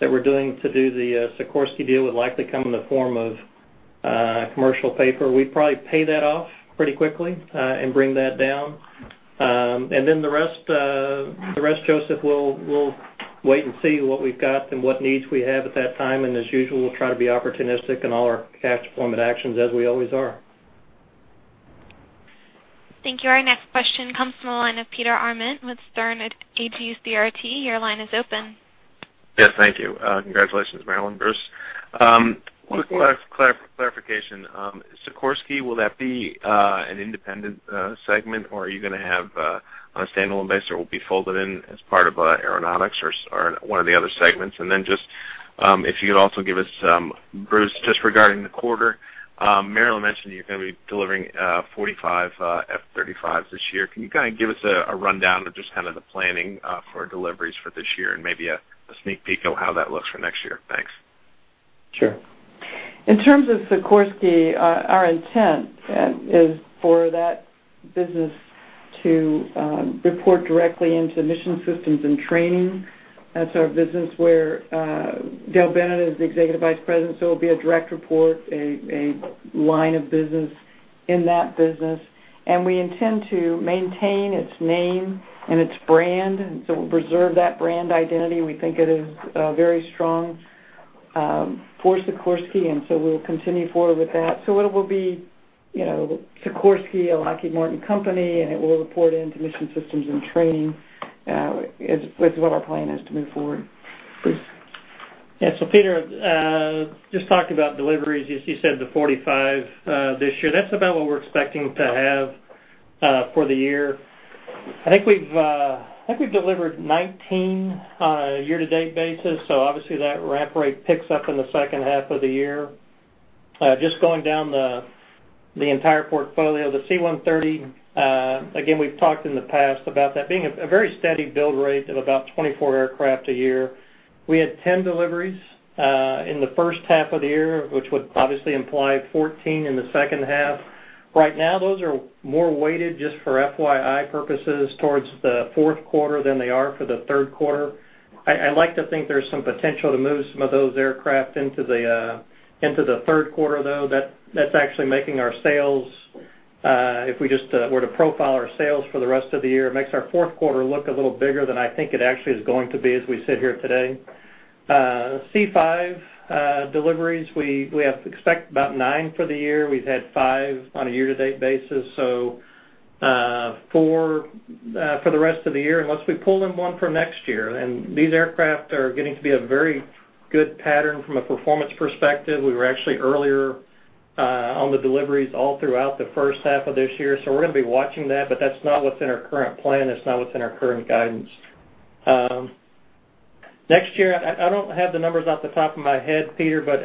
that we're doing to do the Sikorsky deal would likely come in the form of commercial paper. We'd probably pay that off pretty quickly and bring that down. Then the rest, Joseph, we'll wait and see what we've got and what needs we have at that time. As usual, we'll try to be opportunistic in all our cash deployment actions as we always are. Thank you. Our next question comes from the line of Peter Arment with Sterne Agee CRT. Your line is open. Yes, thank you. Congratulations, Marillyn, Bruce. One quick clarification. Sikorsky, will that be an independent segment, or are you going to have a standalone base, or will it be folded in as part of Aeronautics or one of the other segments? Just, if you could also give us, Bruce, just regarding the quarter, Marillyn mentioned you're going to be delivering 45 F-35s this year. Can you kind of give us a rundown of just kind of the planning for deliveries for this year and maybe a sneak peek on how that looks for next year? Thanks. Sure. In terms of Sikorsky, our intent is for that business to report directly into Mission Systems and Training. That's our business where Dale Bennett is the Executive Vice President, so it'll be a direct report, a line of business in that business. We intend to maintain its name and its brand, so we'll preserve that brand identity. We think it is very strong for Sikorsky, so we'll continue forward with that. So it will be Sikorsky, a Lockheed Martin company, it will report into Mission Systems and Training, is what our plan is to move forward. Bruce? Yeah. Peter, just talking about deliveries, as you said, the 45 this year, that's about what we're expecting to have for the year. I think we've delivered 19 on a year-to-date basis, so obviously that ramp rate picks up in the second half of the year. Just going down the entire portfolio, the C-130, again, we've talked in the past about that being a very steady build rate of about 24 aircraft a year. We had 10 deliveries in the first half of the year, which would obviously imply 14 in the second half. Right now, those are more weighted just for FYI purposes towards the fourth quarter than they are for the third quarter. I like to think there's some potential to move some of those aircraft into the third quarter, though. That's actually making our sales, if we just were to profile our sales for the rest of the year, it makes our fourth quarter look a little bigger than I think it actually is going to be as we sit here today. C-5 deliveries, we expect about nine for the year. We've had five on a year-to-date basis, so four for the rest of the year, unless we pull in one for next year. These aircraft are getting to be a very good pattern from a performance perspective. We were actually earlier on the deliveries all throughout the first half of this year, so we're going to be watching that, but that's not what's in our current plan. It's not what's in our current guidance. Next year, I don't have the numbers off the top of my head, Peter, but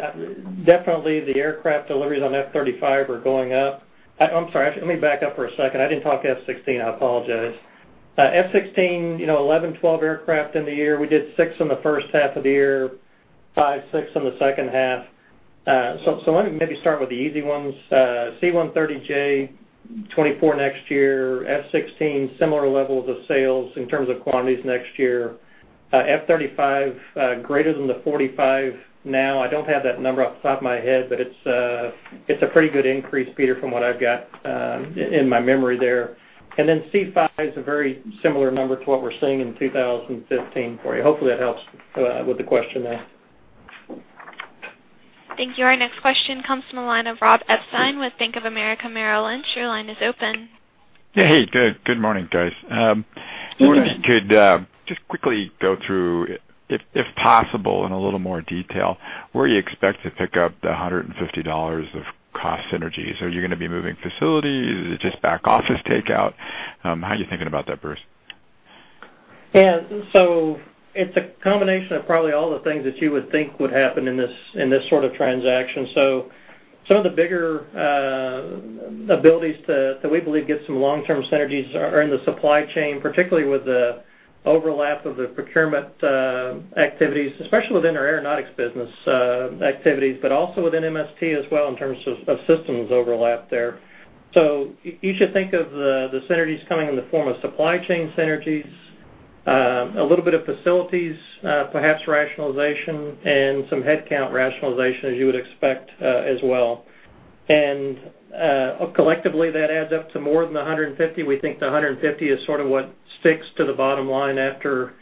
definitely the aircraft deliveries on F-35 are going up. I'm sorry. Let me back up for a second. I didn't talk F-16. I apologize. F-16, 11, 12 aircraft in the year. We did six in the first half of the year, five, six in the second half. Let me maybe start with the easy ones. C-130J, 24 next year. F-16, similar levels of sales in terms of quantities next year. F-35, greater than the 45 now. I don't have that number off the top of my head, but it's a pretty good increase, Peter, from what I've got in my memory there. C-5 is a very similar number to what we're seeing in 2015 for you. Hopefully, that helps with the question. Thank you. Our next question comes from the line of Ronald Epstein with Bank of America Merrill Lynch. Your line is open. Yeah. Hey, good morning, guys. Good morning. I'm wondering if you could just quickly go through, if possible, in a little more detail, where you expect to pick up the $150 of cost synergies. Are you going to be moving facilities? Is it just back office takeout? How are you thinking about that, Bruce? Yeah. It's a combination of probably all the things that you would think would happen in this sort of transaction. Some of the bigger abilities that we believe get some long-term synergies are in the supply chain, particularly with the overlap of the procurement activities, especially within our Aeronautics business activities, but also within MST as well in terms of systems overlap there. You should think of the synergies coming in the form of supply chain synergies, a little bit of facilities, perhaps rationalization, and some headcount rationalization, as you would expect as well. Collectively, that adds up to more than the $150. We think the $150 is sort of what sticks to the bottom line after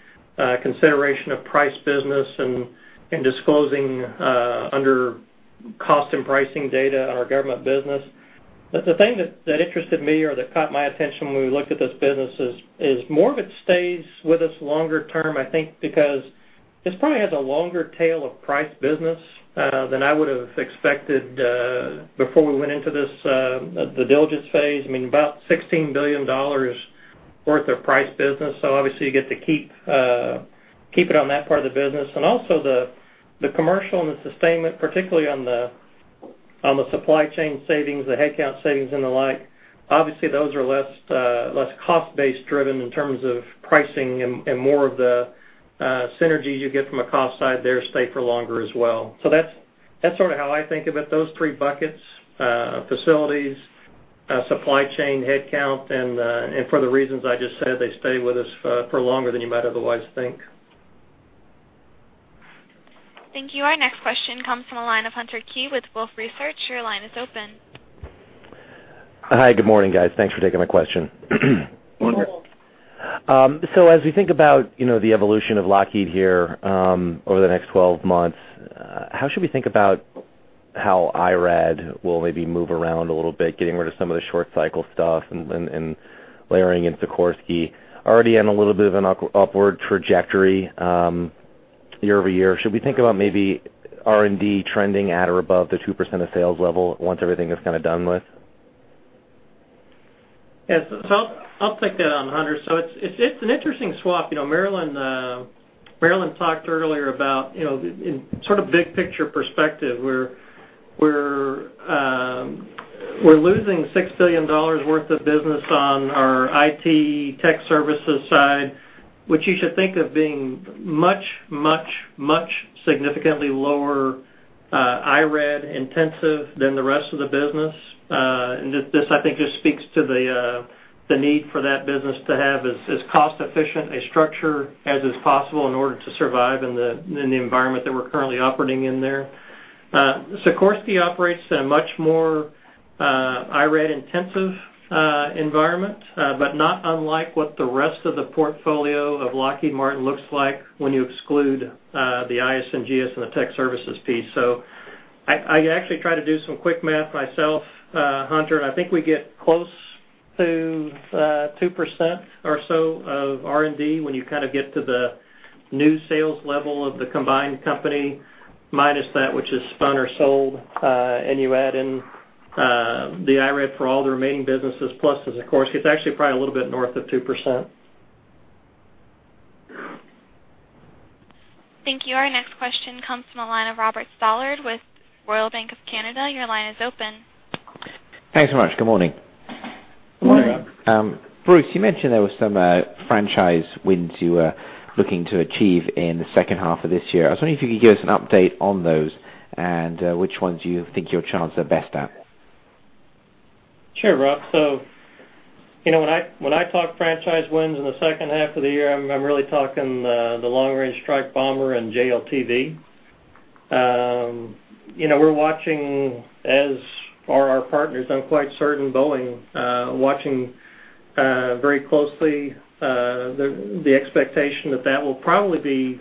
consideration of price business and disclosing under cost and pricing data on our government business. The thing that interested me or that caught my attention when we looked at this business is more of it stays with us longer term, I think, because this probably has a longer tail of price business than I would've expected before we went into this, the diligence phase. I mean about $16 billion worth of price business, obviously you get to keep it on that part of the business. Also the commercial and the sustainment, particularly on the supply chain savings, the headcount savings, and the like, obviously those are less cost-based driven in terms of pricing and more of the synergies you get from a cost side there stay for longer as well. That's sort of how I think about those three buckets, facilities, supply chain, headcount, and for the reasons I just said, they stay with us for longer than you might otherwise think. Thank you. Our next question comes from the line of Hunter Keay with Wolfe Research. Your line is open. Hi. Good morning, guys. Thanks for taking my question. Hunter. As we think about the evolution of Lockheed here over the next 12 months, how should we think about how IRAD will maybe move around a little bit, getting rid of some of the short cycle stuff and layering in Sikorsky? Already on a little bit of an upward trajectory year-over-year. Should we think about maybe R&D trending at or above the 2% of sales level once everything is kind of done with? Yes. I'll take that on, Hunter. It's an interesting swap. Marillyn talked earlier about sort of big picture perspective, we're losing $6 billion worth of business on our IT tech services side, which you should think of being much, much, much significantly lower IRAD intensive than the rest of the business. This, I think, just speaks to the need for that business to have as cost-efficient a structure as is possible in order to survive in the environment that we're currently operating in there. Sikorsky operates in a much more IRAD-intensive environment, but not unlike what the rest of the portfolio of Lockheed Martin looks like when you exclude the IS&GS and the tech services piece. I actually try to do some quick math myself, Hunter, and I think we get close to 2% or so of R&D when you kind of get to the new sales level of the combined company, minus that which is spun or sold, and you add in the IRAD for all the remaining businesses, plus as Sikorsky, it's actually probably a little bit north of 2%. Thank you. Our next question comes from the line of Robert Stallard with Royal Bank of Canada. Your line is open. Thanks so much. Good morning. Good morning, Rob. Bruce, you mentioned there were some franchise wins you were looking to achieve in the second half of this year. I was wondering if you could give us an update on those and which ones you think your chances are best at. Sure, Rob. When I talk franchise wins in the second half of the year, I'm really talking the Long Range Strike Bomber and JLTV. We're watching, as are our partners, I'm quite certain Boeing, watching very closely, the expectation that that will probably be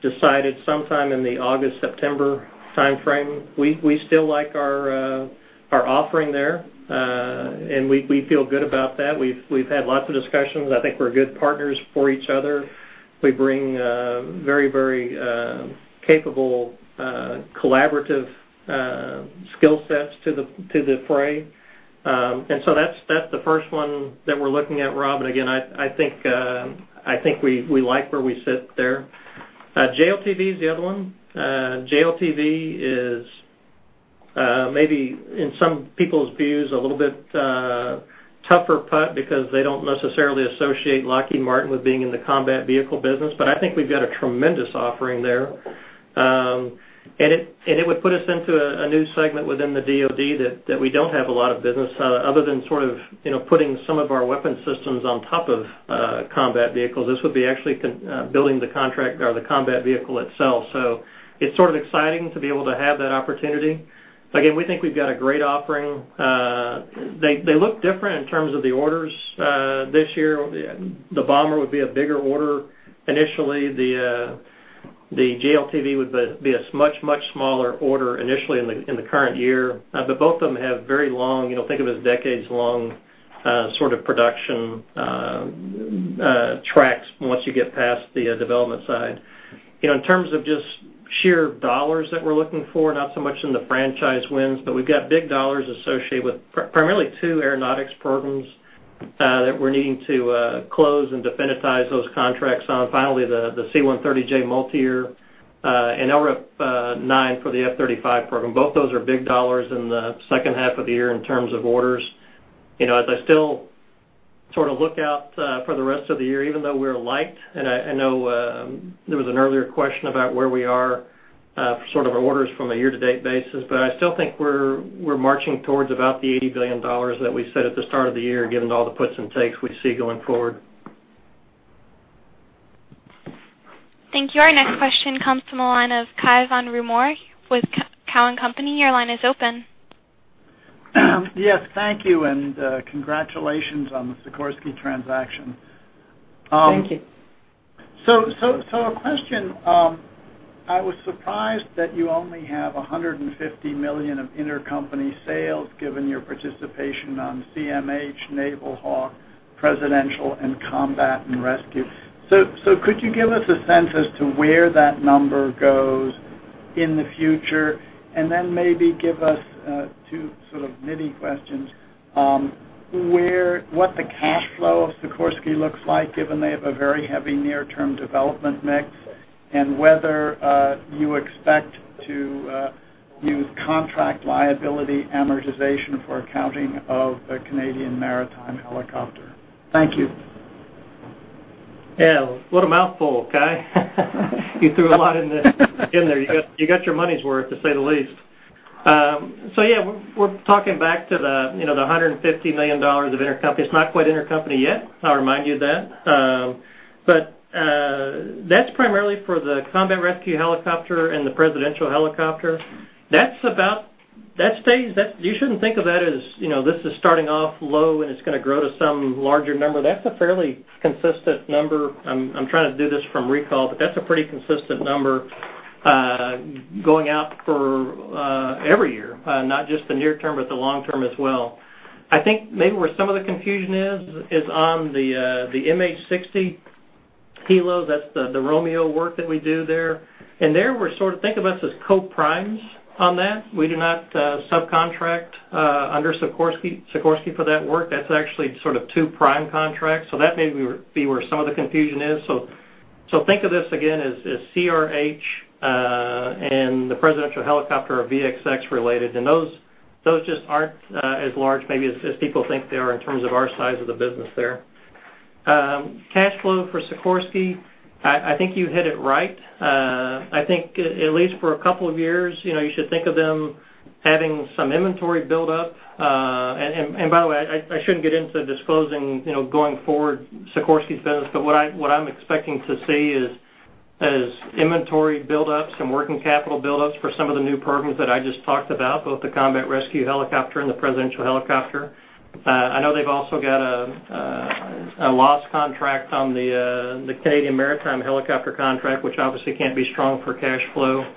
decided sometime in the August, September timeframe. We still like our offering there. We feel good about that. We've had lots of discussions. I think we're good partners for each other. We bring very capable, collaborative skill sets to the fray. That's the first one that we're looking at, Rob. Again, I think we like where we sit there. JLTV is the other one. JLTV is maybe in some people's views, a little bit tougher putt because they don't necessarily associate Lockheed Martin with being in the combat vehicle business. I think we've got a tremendous offering there. It would put us into a new segment within the DoD that we don't have a lot of business other than sort of putting some of our weapons systems on top of combat vehicles. This would be actually building the contract or the combat vehicle itself. It's sort of exciting to be able to have that opportunity. Again, we think we've got a great offering. They look different in terms of the orders this year. The bomber would be a bigger order. Initially, the JLTV would be a much, much smaller order initially in the current year. Both of them have very long, think of it as decades-long sort of production tracks once you get past the development side. In terms of just sheer dollars that we're looking for, not so much in the franchise wins, we've got big dollars associated with primarily two aeronautics programs that we're needing to close and definitize those contracts on. Finally, the C-130J multiyear and LRIP 9 for the F-35 program. Both those are big dollars in the second half of the year in terms of orders. I still sort of look out for the rest of the year, even though we're light, and I know there was an earlier question about where we are for sort of our orders from a year-to-date basis, I still think we're marching towards about the $80 billion that we said at the start of the year, given all the puts and takes we see going forward. Thank you. Our next question comes from the line of Cai von Rumohr with Cowen and Company. Your line is open. Yes. Thank you. Congratulations on the Sikorsky transaction. Thank you. A question, I was surprised that you only have $150 million of intercompany sales given your participation on CMH, Naval Hawk, presidential, and Combat Rescue. Could you give us a sense as to where that number goes in the future, and then maybe give us two sort of mini questions, what the cash flow of Sikorsky looks like given they have a very heavy near-term development mix, and whether you expect to use contract liability amortization for accounting of the Canadian Maritime Helicopter. Thank you. Yeah. What a mouthful, Cai. You threw a lot in there. You got your money's worth, to say the least. Yeah, we're talking back to the $150 million of intercompany. It's not quite intercompany yet, I'll remind you that. But that's primarily for the Combat Rescue Helicopter and the Presidential Helicopter. That stays. You shouldn't think of that as, this is starting off low, and it's going to grow to some larger number. That's a fairly consistent number. I'm trying to do this from recall, but that's a pretty consistent number, going out for every year, not just the near term, but the long term as well. I think maybe where some of the confusion is on the MH-60 helos. That's the Romeo work that we do there. There, think of us as co-primes on that. We do not subcontract under Sikorsky for that work. That's actually sort of two prime contracts. That may be where some of the confusion is. Think of this again as CRH, and the Presidential Helicopter are VXX related, and those just aren't as large maybe as people think they are in terms of our size of the business there. Cash flow for Sikorsky, I think you hit it right. I think, at least for a couple of years, you should think of them having some inventory build-up. By the way, I shouldn't get into disclosing going forward Sikorsky's business, but what I'm expecting to see is inventory build-ups and working capital build-ups for some of the new programs that I just talked about, both the Combat Rescue Helicopter and the Presidential Helicopter. I know they've also got a loss contract on the Canadian Maritime Helicopter contract, which obviously can't be strong for cash flow.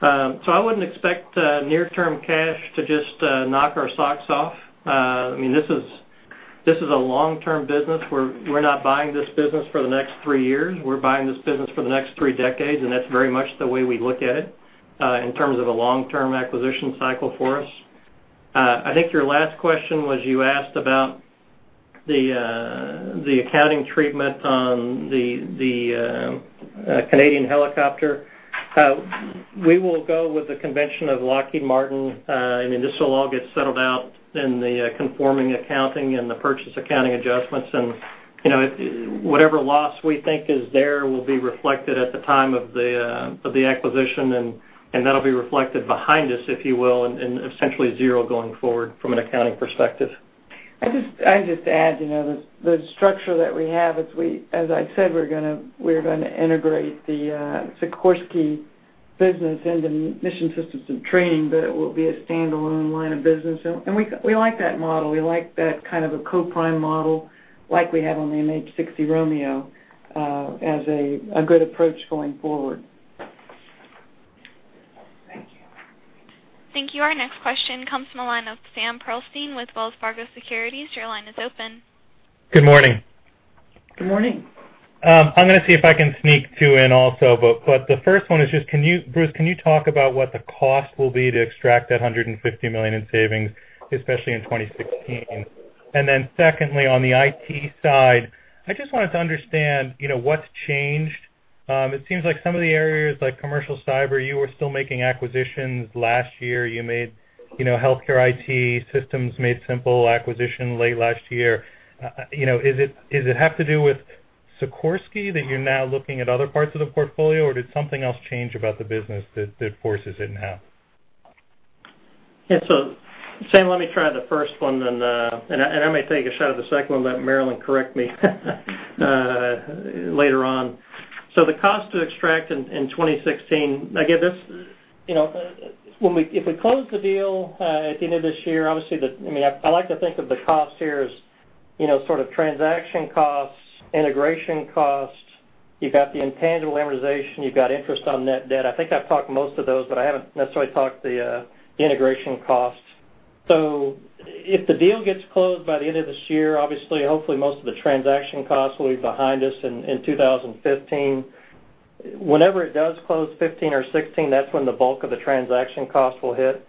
I wouldn't expect near-term cash to just knock our socks off. This is a long-term business. We're not buying this business for the next three years. We're buying this business for the next three decades, and that's very much the way we look at it, in terms of a long-term acquisition cycle for us. I think your last question was you asked about the accounting treatment on the Canadian Helicopter. We will go with the convention of Lockheed Martin, and this will all get settled out in the conforming accounting and the purchase accounting adjustments. Whatever loss we think is there will be reflected at the time of the acquisition, and that'll be reflected behind us, if you will, and essentially zero going forward from an accounting perspective. I'd just add, the structure that we have, as I said, we're going to integrate the Sikorsky business into Mission Systems and Training, but it will be a stand-alone line of business. We like that model. We like that kind of a co-prime model, like we have on the MH-60R Seahawk, as a good approach going forward. Thank you. Thank you. Our next question comes from the line of Samuel Pearlstein with Wells Fargo Securities. Your line is open. Good morning. Good morning. I'm going to see if I can sneak two in also. The first one is just, Bruce, can you talk about what the cost will be to extract that $150 million in savings, especially in 2016? Secondly, on the IT side, I just wanted to understand what's changed. It seems like some of the areas like commercial cyber, you were still making acquisitions last year. You made healthcare IT Systems Made Simple acquisition late last year. Does it have to do with Sikorsky, that you're now looking at other parts of the portfolio, or did something else change about the business that forces it in half? Yeah. Sam, let me try the first one, and I may take a shot at the second one and let Marillyn correct me later on. The cost to extract in 2016, if we close the deal at the end of this year, obviously, I like to think of the cost here as sort of transaction costs, integration costs. You've got the intangible amortization. You've got interest on net debt. I think I've talked most of those, but I haven't necessarily talked the integration costs. If the deal gets closed by the end of this year, obviously, hopefully most of the transaction costs will be behind us in 2015. Whenever it does close, 2015 or 2016, that's when the bulk of the transaction cost will hit.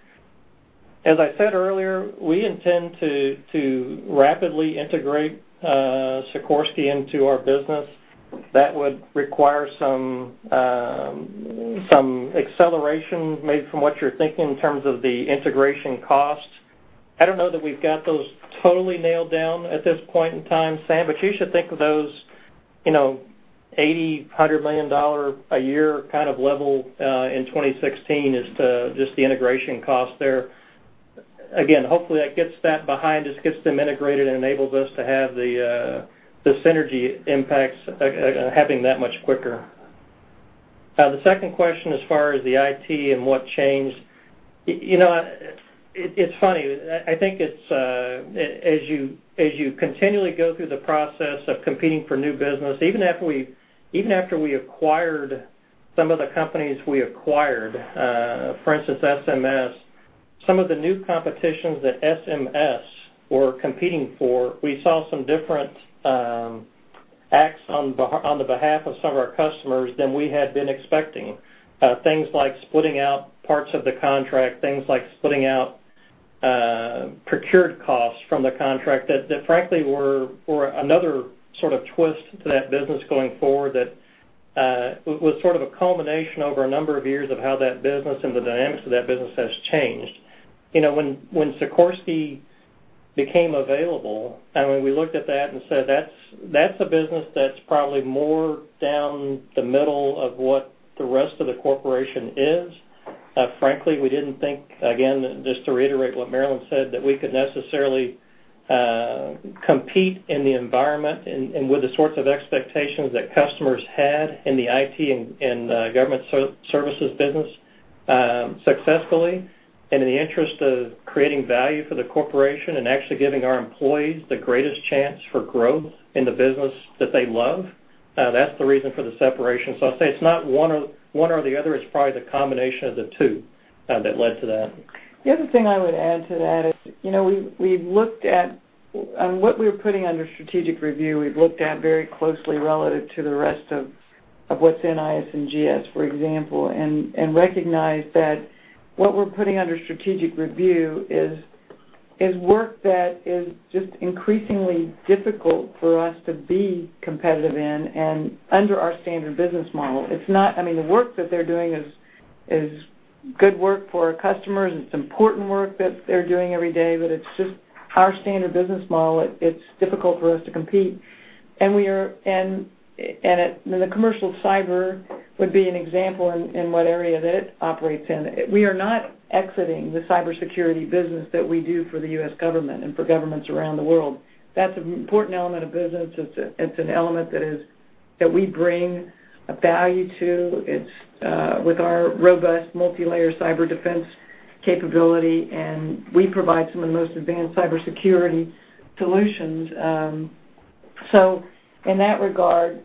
As I said earlier, we intend to rapidly integrate Sikorsky into our business. That would require some acceleration maybe from what you're thinking in terms of the integration costs. I don't know that we've got those totally nailed down at this point in time, Sam, you should think of those $80 million, $100 million a year kind of level in 2016 as to just the integration cost there. Again, hopefully that gets that behind us, gets them integrated, and enables us to have the synergy impacts happening that much quicker. The second question, as far as the IT and what changed. It's funny. I think as you continually go through the process of competing for new business, even after we acquired some of the companies we acquired, for instance, SMS, some of the new competitions that SMS were competing for, we saw some different acts on the behalf of some of our customers than we had been expecting. Things like splitting out parts of the contract, things like splitting out procured costs from the contract that frankly were another sort of twist to that business going forward that was sort of a culmination over a number of years of how that business and the dynamics of that business has changed. When Sikorsky became available, and when we looked at that and said, "That's a business that's probably more down the middle of what the rest of the corporation is," frankly, we didn't think, again, just to reiterate what Marillyn said, that we could necessarily compete in the environment and with the sorts of expectations that customers had in the IT and government services business. Successfully, and in the interest of creating value for the corporation and actually giving our employees the greatest chance for growth in the business that they love, that's the reason for the separation. I'll say it's not one or the other, it's probably the combination of the two that led to that. The other thing I would add to that is, what we were putting under strategic review, we've looked at very closely relative to the rest of what's in IS&GS, for example, and recognized that what we're putting under strategic review is work that is just increasingly difficult for us to be competitive in and under our standard business model. The work that they're doing is good work for our customers, it's important work that they're doing every day, but it's just our standard business model. It's difficult for us to compete. The commercial cyber would be an example in what area that it operates in. We are not exiting the cybersecurity business that we do for the U.S. government and for governments around the world. That's an important element of business. It's an element that we bring value to. It's with our robust multi-layer cyber defense capability, and we provide some of the most advanced cybersecurity solutions. In that regard,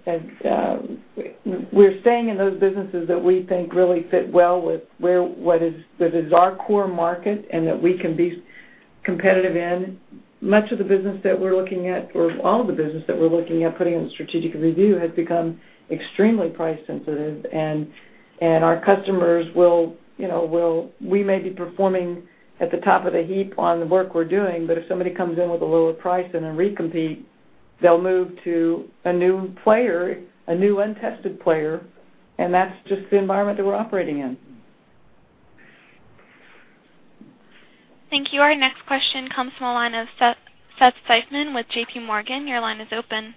we're staying in those businesses that we think really fit well with what is our core market and that we can be competitive in. Much of the business that we're looking at, or all the business that we're looking at putting in strategic review, has become extremely price sensitive. We may be performing at the top of the heap on the work we're doing, but if somebody comes in with a lower price in a recompete, they'll move to a new untested player, and that's just the environment that we're operating in. Thank you. Our next question comes from the line of Seth Seifman with JPMorgan. Your line is open.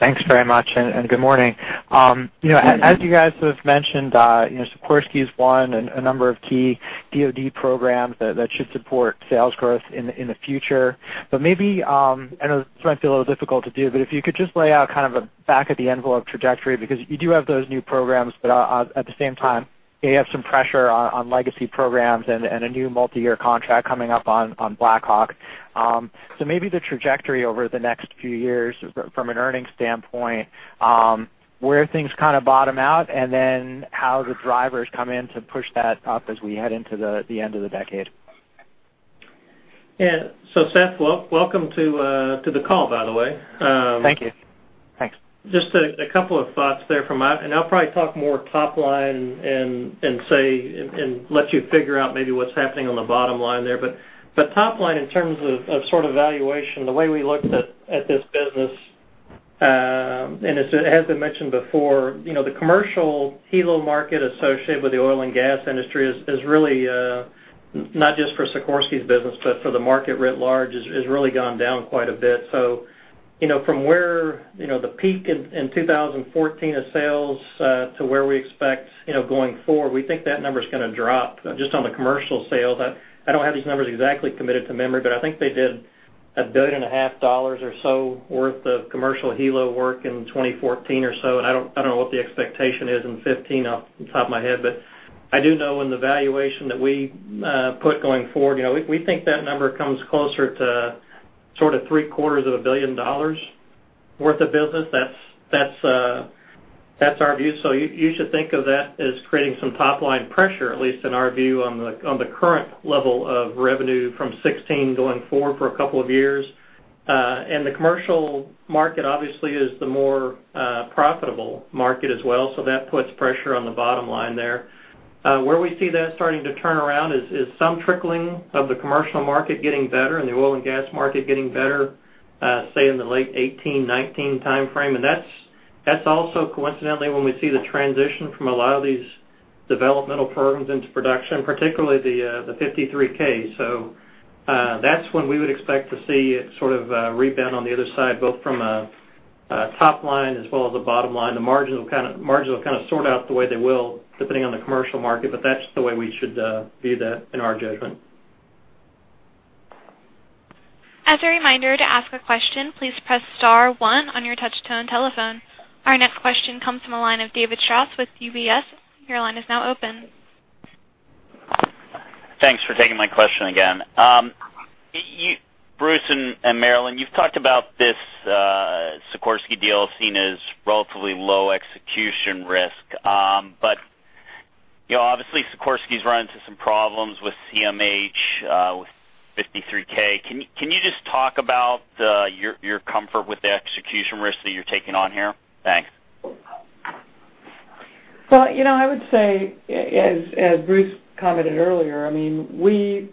Thanks very much. Good morning. As you guys have mentioned, Sikorsky has won a number of key DOD programs that should support sales growth in the future. Maybe, I know this might be a little difficult to do, but if you could just lay out kind of a back of the envelope trajectory, because you do have those new programs, but at the same time, you have some pressure on legacy programs and a new multi-year contract coming up on Black Hawk. Maybe the trajectory over the next few years from an earnings standpoint, where things kind of bottom out, and then how the drivers come in to push that up as we head into the end of the decade. Yeah. Seth, welcome to the call, by the way. Thank you. Thanks. Just a couple of thoughts there. I'll probably talk more top line and let you figure out maybe what's happening on the bottom line there. Top line, in terms of sort of valuation, the way we looked at this business, and as I mentioned before, the commercial helo market associated with the oil and gas industry is really, not just for Sikorsky's business, but for the market writ large, has really gone down quite a bit. From where the peak in 2014 of sales to where we expect going forward, we think that number's going to drop just on the commercial sales. I don't have these numbers exactly committed to memory, but I think they did a billion and a half dollars or so worth of commercial helo work in 2014 or so. I don't know what the expectation is in 2015 off the top of my head, but I do know in the valuation that we put going forward, we think that number comes closer to sort of three quarters of a billion dollars worth of business. That's our view. You should think of that as creating some top-line pressure, at least in our view, on the current level of revenue from 2016 going forward for a couple of years. The commercial market, obviously, is the more profitable market as well. That puts pressure on the bottom line there. Where we see that starting to turn around is some trickling of the commercial market getting better and the oil and gas market getting better, say, in the late 2018, 2019 timeframe. That's also coincidentally when we see the transition from a lot of these developmental programs into production, particularly the 53K. That's when we would expect to see it sort of rebound on the other side, both from a top line as well as a bottom line. The margins will kind of sort out the way they will depending on the commercial market, that's the way we should view that in our judgment. As a reminder, to ask a question, please press star one on your touch-tone telephone. Our next question comes from the line of David Strauss with UBS. Your line is now open. Thanks for taking my question again. Bruce and Marillyn, you've talked about this Sikorsky deal seen as relatively low execution risk. Obviously Sikorsky's run into some problems with CMH, with 53K. Can you just talk about your comfort with the execution risk that you're taking on here? Thanks. Well, I would say, as Bruce commented earlier, we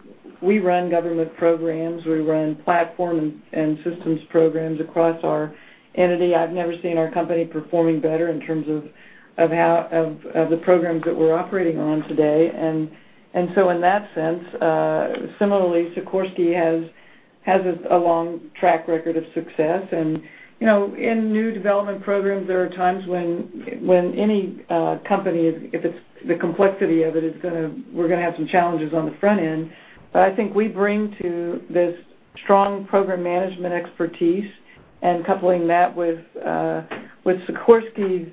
run government programs. We run platform and systems programs across our entity. I've never seen our company performing better in terms of the programs that we're operating on today. In that sense, similarly, Sikorsky has a long track record of success. In new development programs, there are times when any company, if it's the complexity of it, we're going to have some challenges on the front end. I think we bring to this strong program management expertise and coupling that with Sikorsky's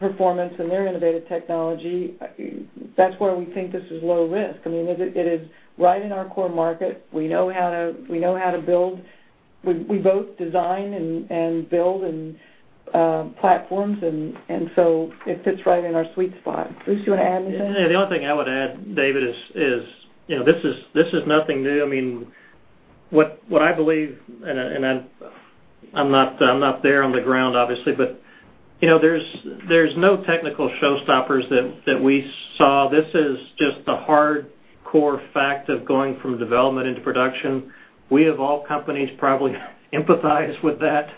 performance and their innovative technology, that's why we think this is low risk. It is right in our core market. We know how to build. We both design and build platforms, it fits right in our sweet spot. Bruce, you want to add anything? The only thing I would add, David, is this is nothing new. What I believe, and I'm not there on the ground, obviously, there's no technical showstoppers that we saw. This is just the hardcore fact of going from development into production. We, of all companies, probably empathize with that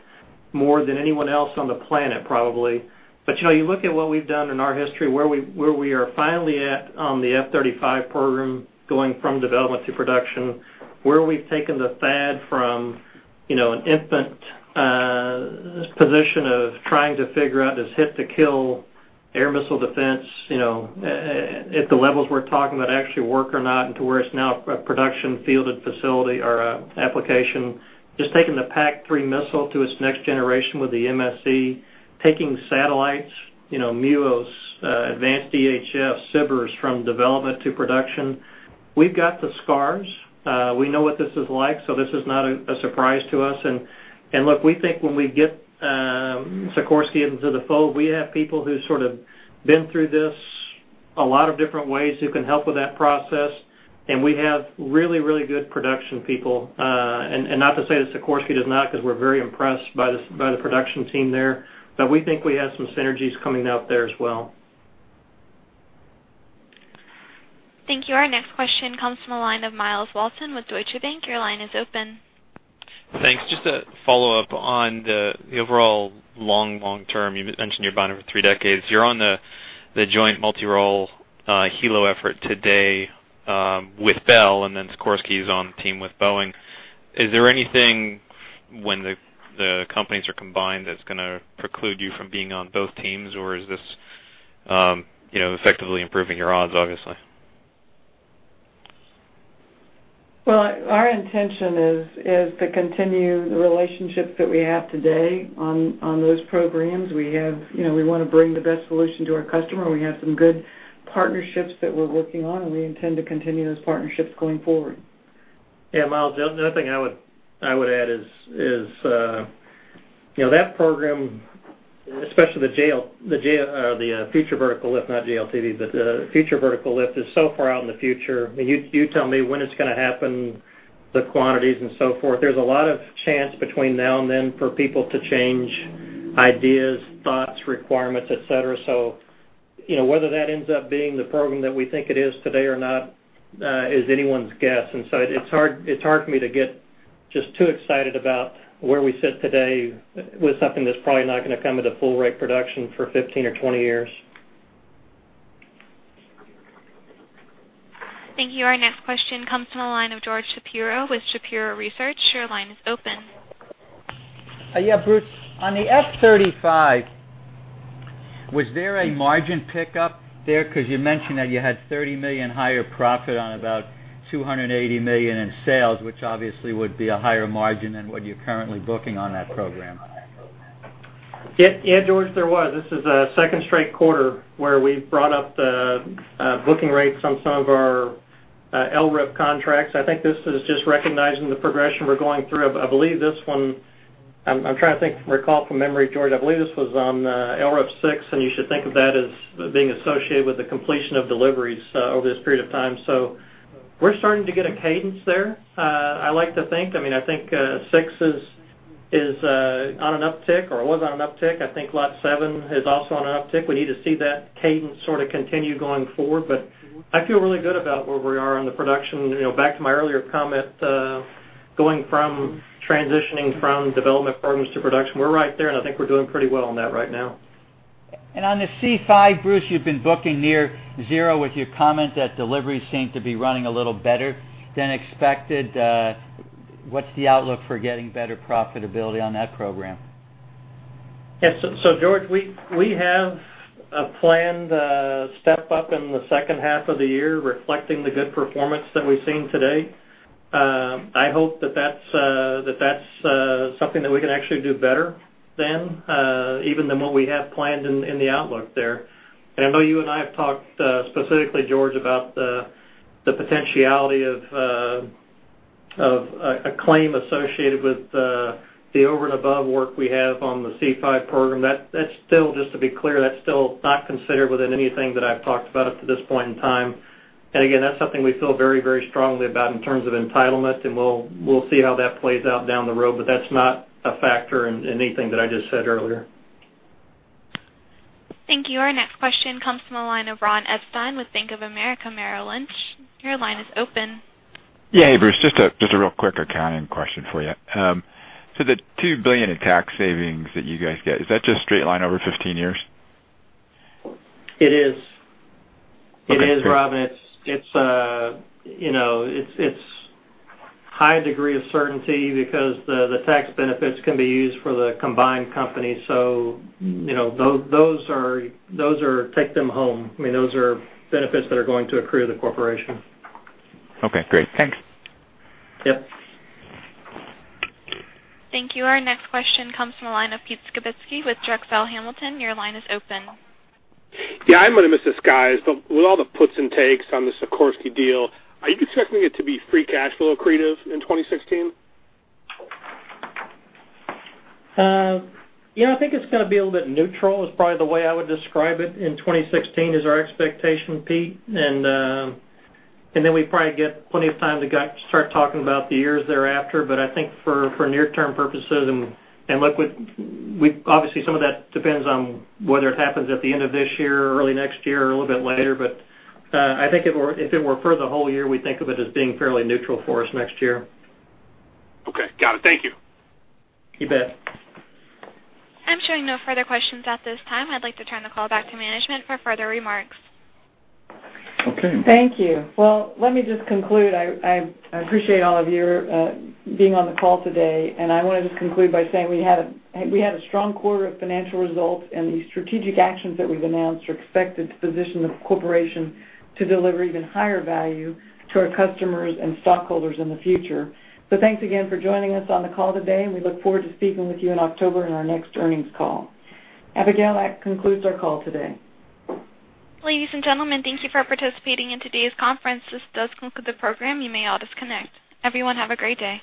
more than anyone else on the planet, probably. You look at what we've done in our history, where we are finally at on the F-35 program, going from development to production. Where we've taken the THAAD from an infant position of trying to figure out this hit-to-kill air missile defense, at the levels we're talking about, actually work or not, to where it's now a production fielded facility or application. Just taking the PAC-3 missile to its next generation with the MSE. Taking satellites, MUOS, advanced EHF, SBIRS, from development to production. We've got the scars. We know what this is like, this is not a surprise to us. Look, we think when we get Sikorsky into the fold, we have people who've sort of been through this a lot of different ways, who can help with that process. We have really good production people. Not to say that Sikorsky does not, because we're very impressed by the production team there. We think we have some synergies coming out there as well. Thank you. Our next question comes from the line of Myles Walton with Deutsche Bank. Your line is open. Thanks. Just a follow-up on the overall long-term. You mentioned you've been around for three decades. You're on the joint multi-role helo effort today with Bell, and then Sikorsky is on the team with Boeing. Is there anything when the companies are combined that's going to preclude you from being on both teams, or is this effectively improving your odds, obviously? Our intention is to continue the relationships that we have today on those programs. We want to bring the best solution to our customer, and we have some good partnerships that we're working on, and we intend to continue those partnerships going forward. Myles, the only thing I would add is that program, especially the Future Vertical Lift, not JLTV, but the Future Vertical Lift is so far out in the future. You tell me when it's going to happen, the quantities and so forth. There's a lot of chance between now and then for people to change ideas, thoughts, requirements, et cetera. Whether that ends up being the program that we think it is today or not, is anyone's guess. It's hard for me to get just too excited about where we sit today with something that's probably not going to come at a full rate production for 15 or 20 years. Thank you. Our next question comes from the line of George Shapiro with Shapiro Research. Your line is open. Yeah, Bruce, on the F-35, was there a margin pickup there? Because you mentioned that you had $30 million higher profit on about $280 million in sales, which obviously would be a higher margin than what you're currently booking on that program. Yeah, George, there was. This is the second straight quarter where we've brought up the booking rates on some of our LRIP contracts. I think this is just recognizing the progression we're going through. I'm trying to recall from memory, George. I believe this was on LRIP 6, and you should think of that as being associated with the completion of deliveries over this period of time. We're starting to get a cadence there, I like to think. I think six is on an uptick or was on an uptick. I think Lot 7 is also on an uptick. We need to see that cadence sort of continue going forward, but I feel really good about where we are on the production. Back to my earlier comment, going from transitioning from development programs to production, we're right there, and I think we're doing pretty well on that right now. On the C-5, Bruce, you've been booking near zero with your comment that deliveries seem to be running a little better than expected. What's the outlook for getting better profitability on that program? George, we have a planned step-up in the second half of the year reflecting the good performance that we've seen to date. I hope that that's something that we can actually do better than, even than what we have planned in the outlook there. I know you and I have talked specifically, George, about the potentiality of a claim associated with the over and above work we have on the C-5 program. Just to be clear, that's still not considered within anything that I've talked about up to this point in time. Again, that's something we feel very strongly about in terms of entitlement, and we'll see how that plays out down the road, but that's not a factor in anything that I just said earlier. Thank you. Our next question comes from the line of Ron Epstein with Bank of America Merrill Lynch. Your line is open. Hey, Bruce, just a real quick accounting question for you. The $2 billion in tax savings that you guys get, is that just straight line over 15 years? It is. Okay, great. It is, Ron. It's high degree of certainty because the tax benefits can be used for the combined company. Those are take them home. Those are benefits that are going to accrue to the corporation. Okay, great. Thanks. Yep. Thank you. Our next question comes from the line of Pete Skibitski with Drexel Hamilton. Your line is open. I might have missed this, guys, with all the puts and takes on the Sikorsky deal, are you expecting it to be free cash flow accretive in 2016? I think it's going to be a little bit neutral is probably the way I would describe it in 2016, is our expectation, Pete. We probably get plenty of time to start talking about the years thereafter. I think for near-term purposes, look, obviously, some of that depends on whether it happens at the end of this year, early next year, or a little bit later. I think if it were for the whole year, we'd think of it as being fairly neutral for us next year. Okay. Got it. Thank you. You bet. I'm showing no further questions at this time. I'd like to turn the call back to management for further remarks. Thank you. Well, let me just conclude. I appreciate all of you being on the call today. I want to just conclude by saying we had a strong quarter of financial results, and the strategic actions that we've announced are expected to position the corporation to deliver even higher value to our customers and stockholders in the future. Thanks again for joining us on the call today, and we look forward to speaking with you in October on our next earnings call. Abigail, that concludes our call today. Ladies and gentlemen, thank you for participating in today's conference. This does conclude the program. You may all disconnect. Everyone, have a great day.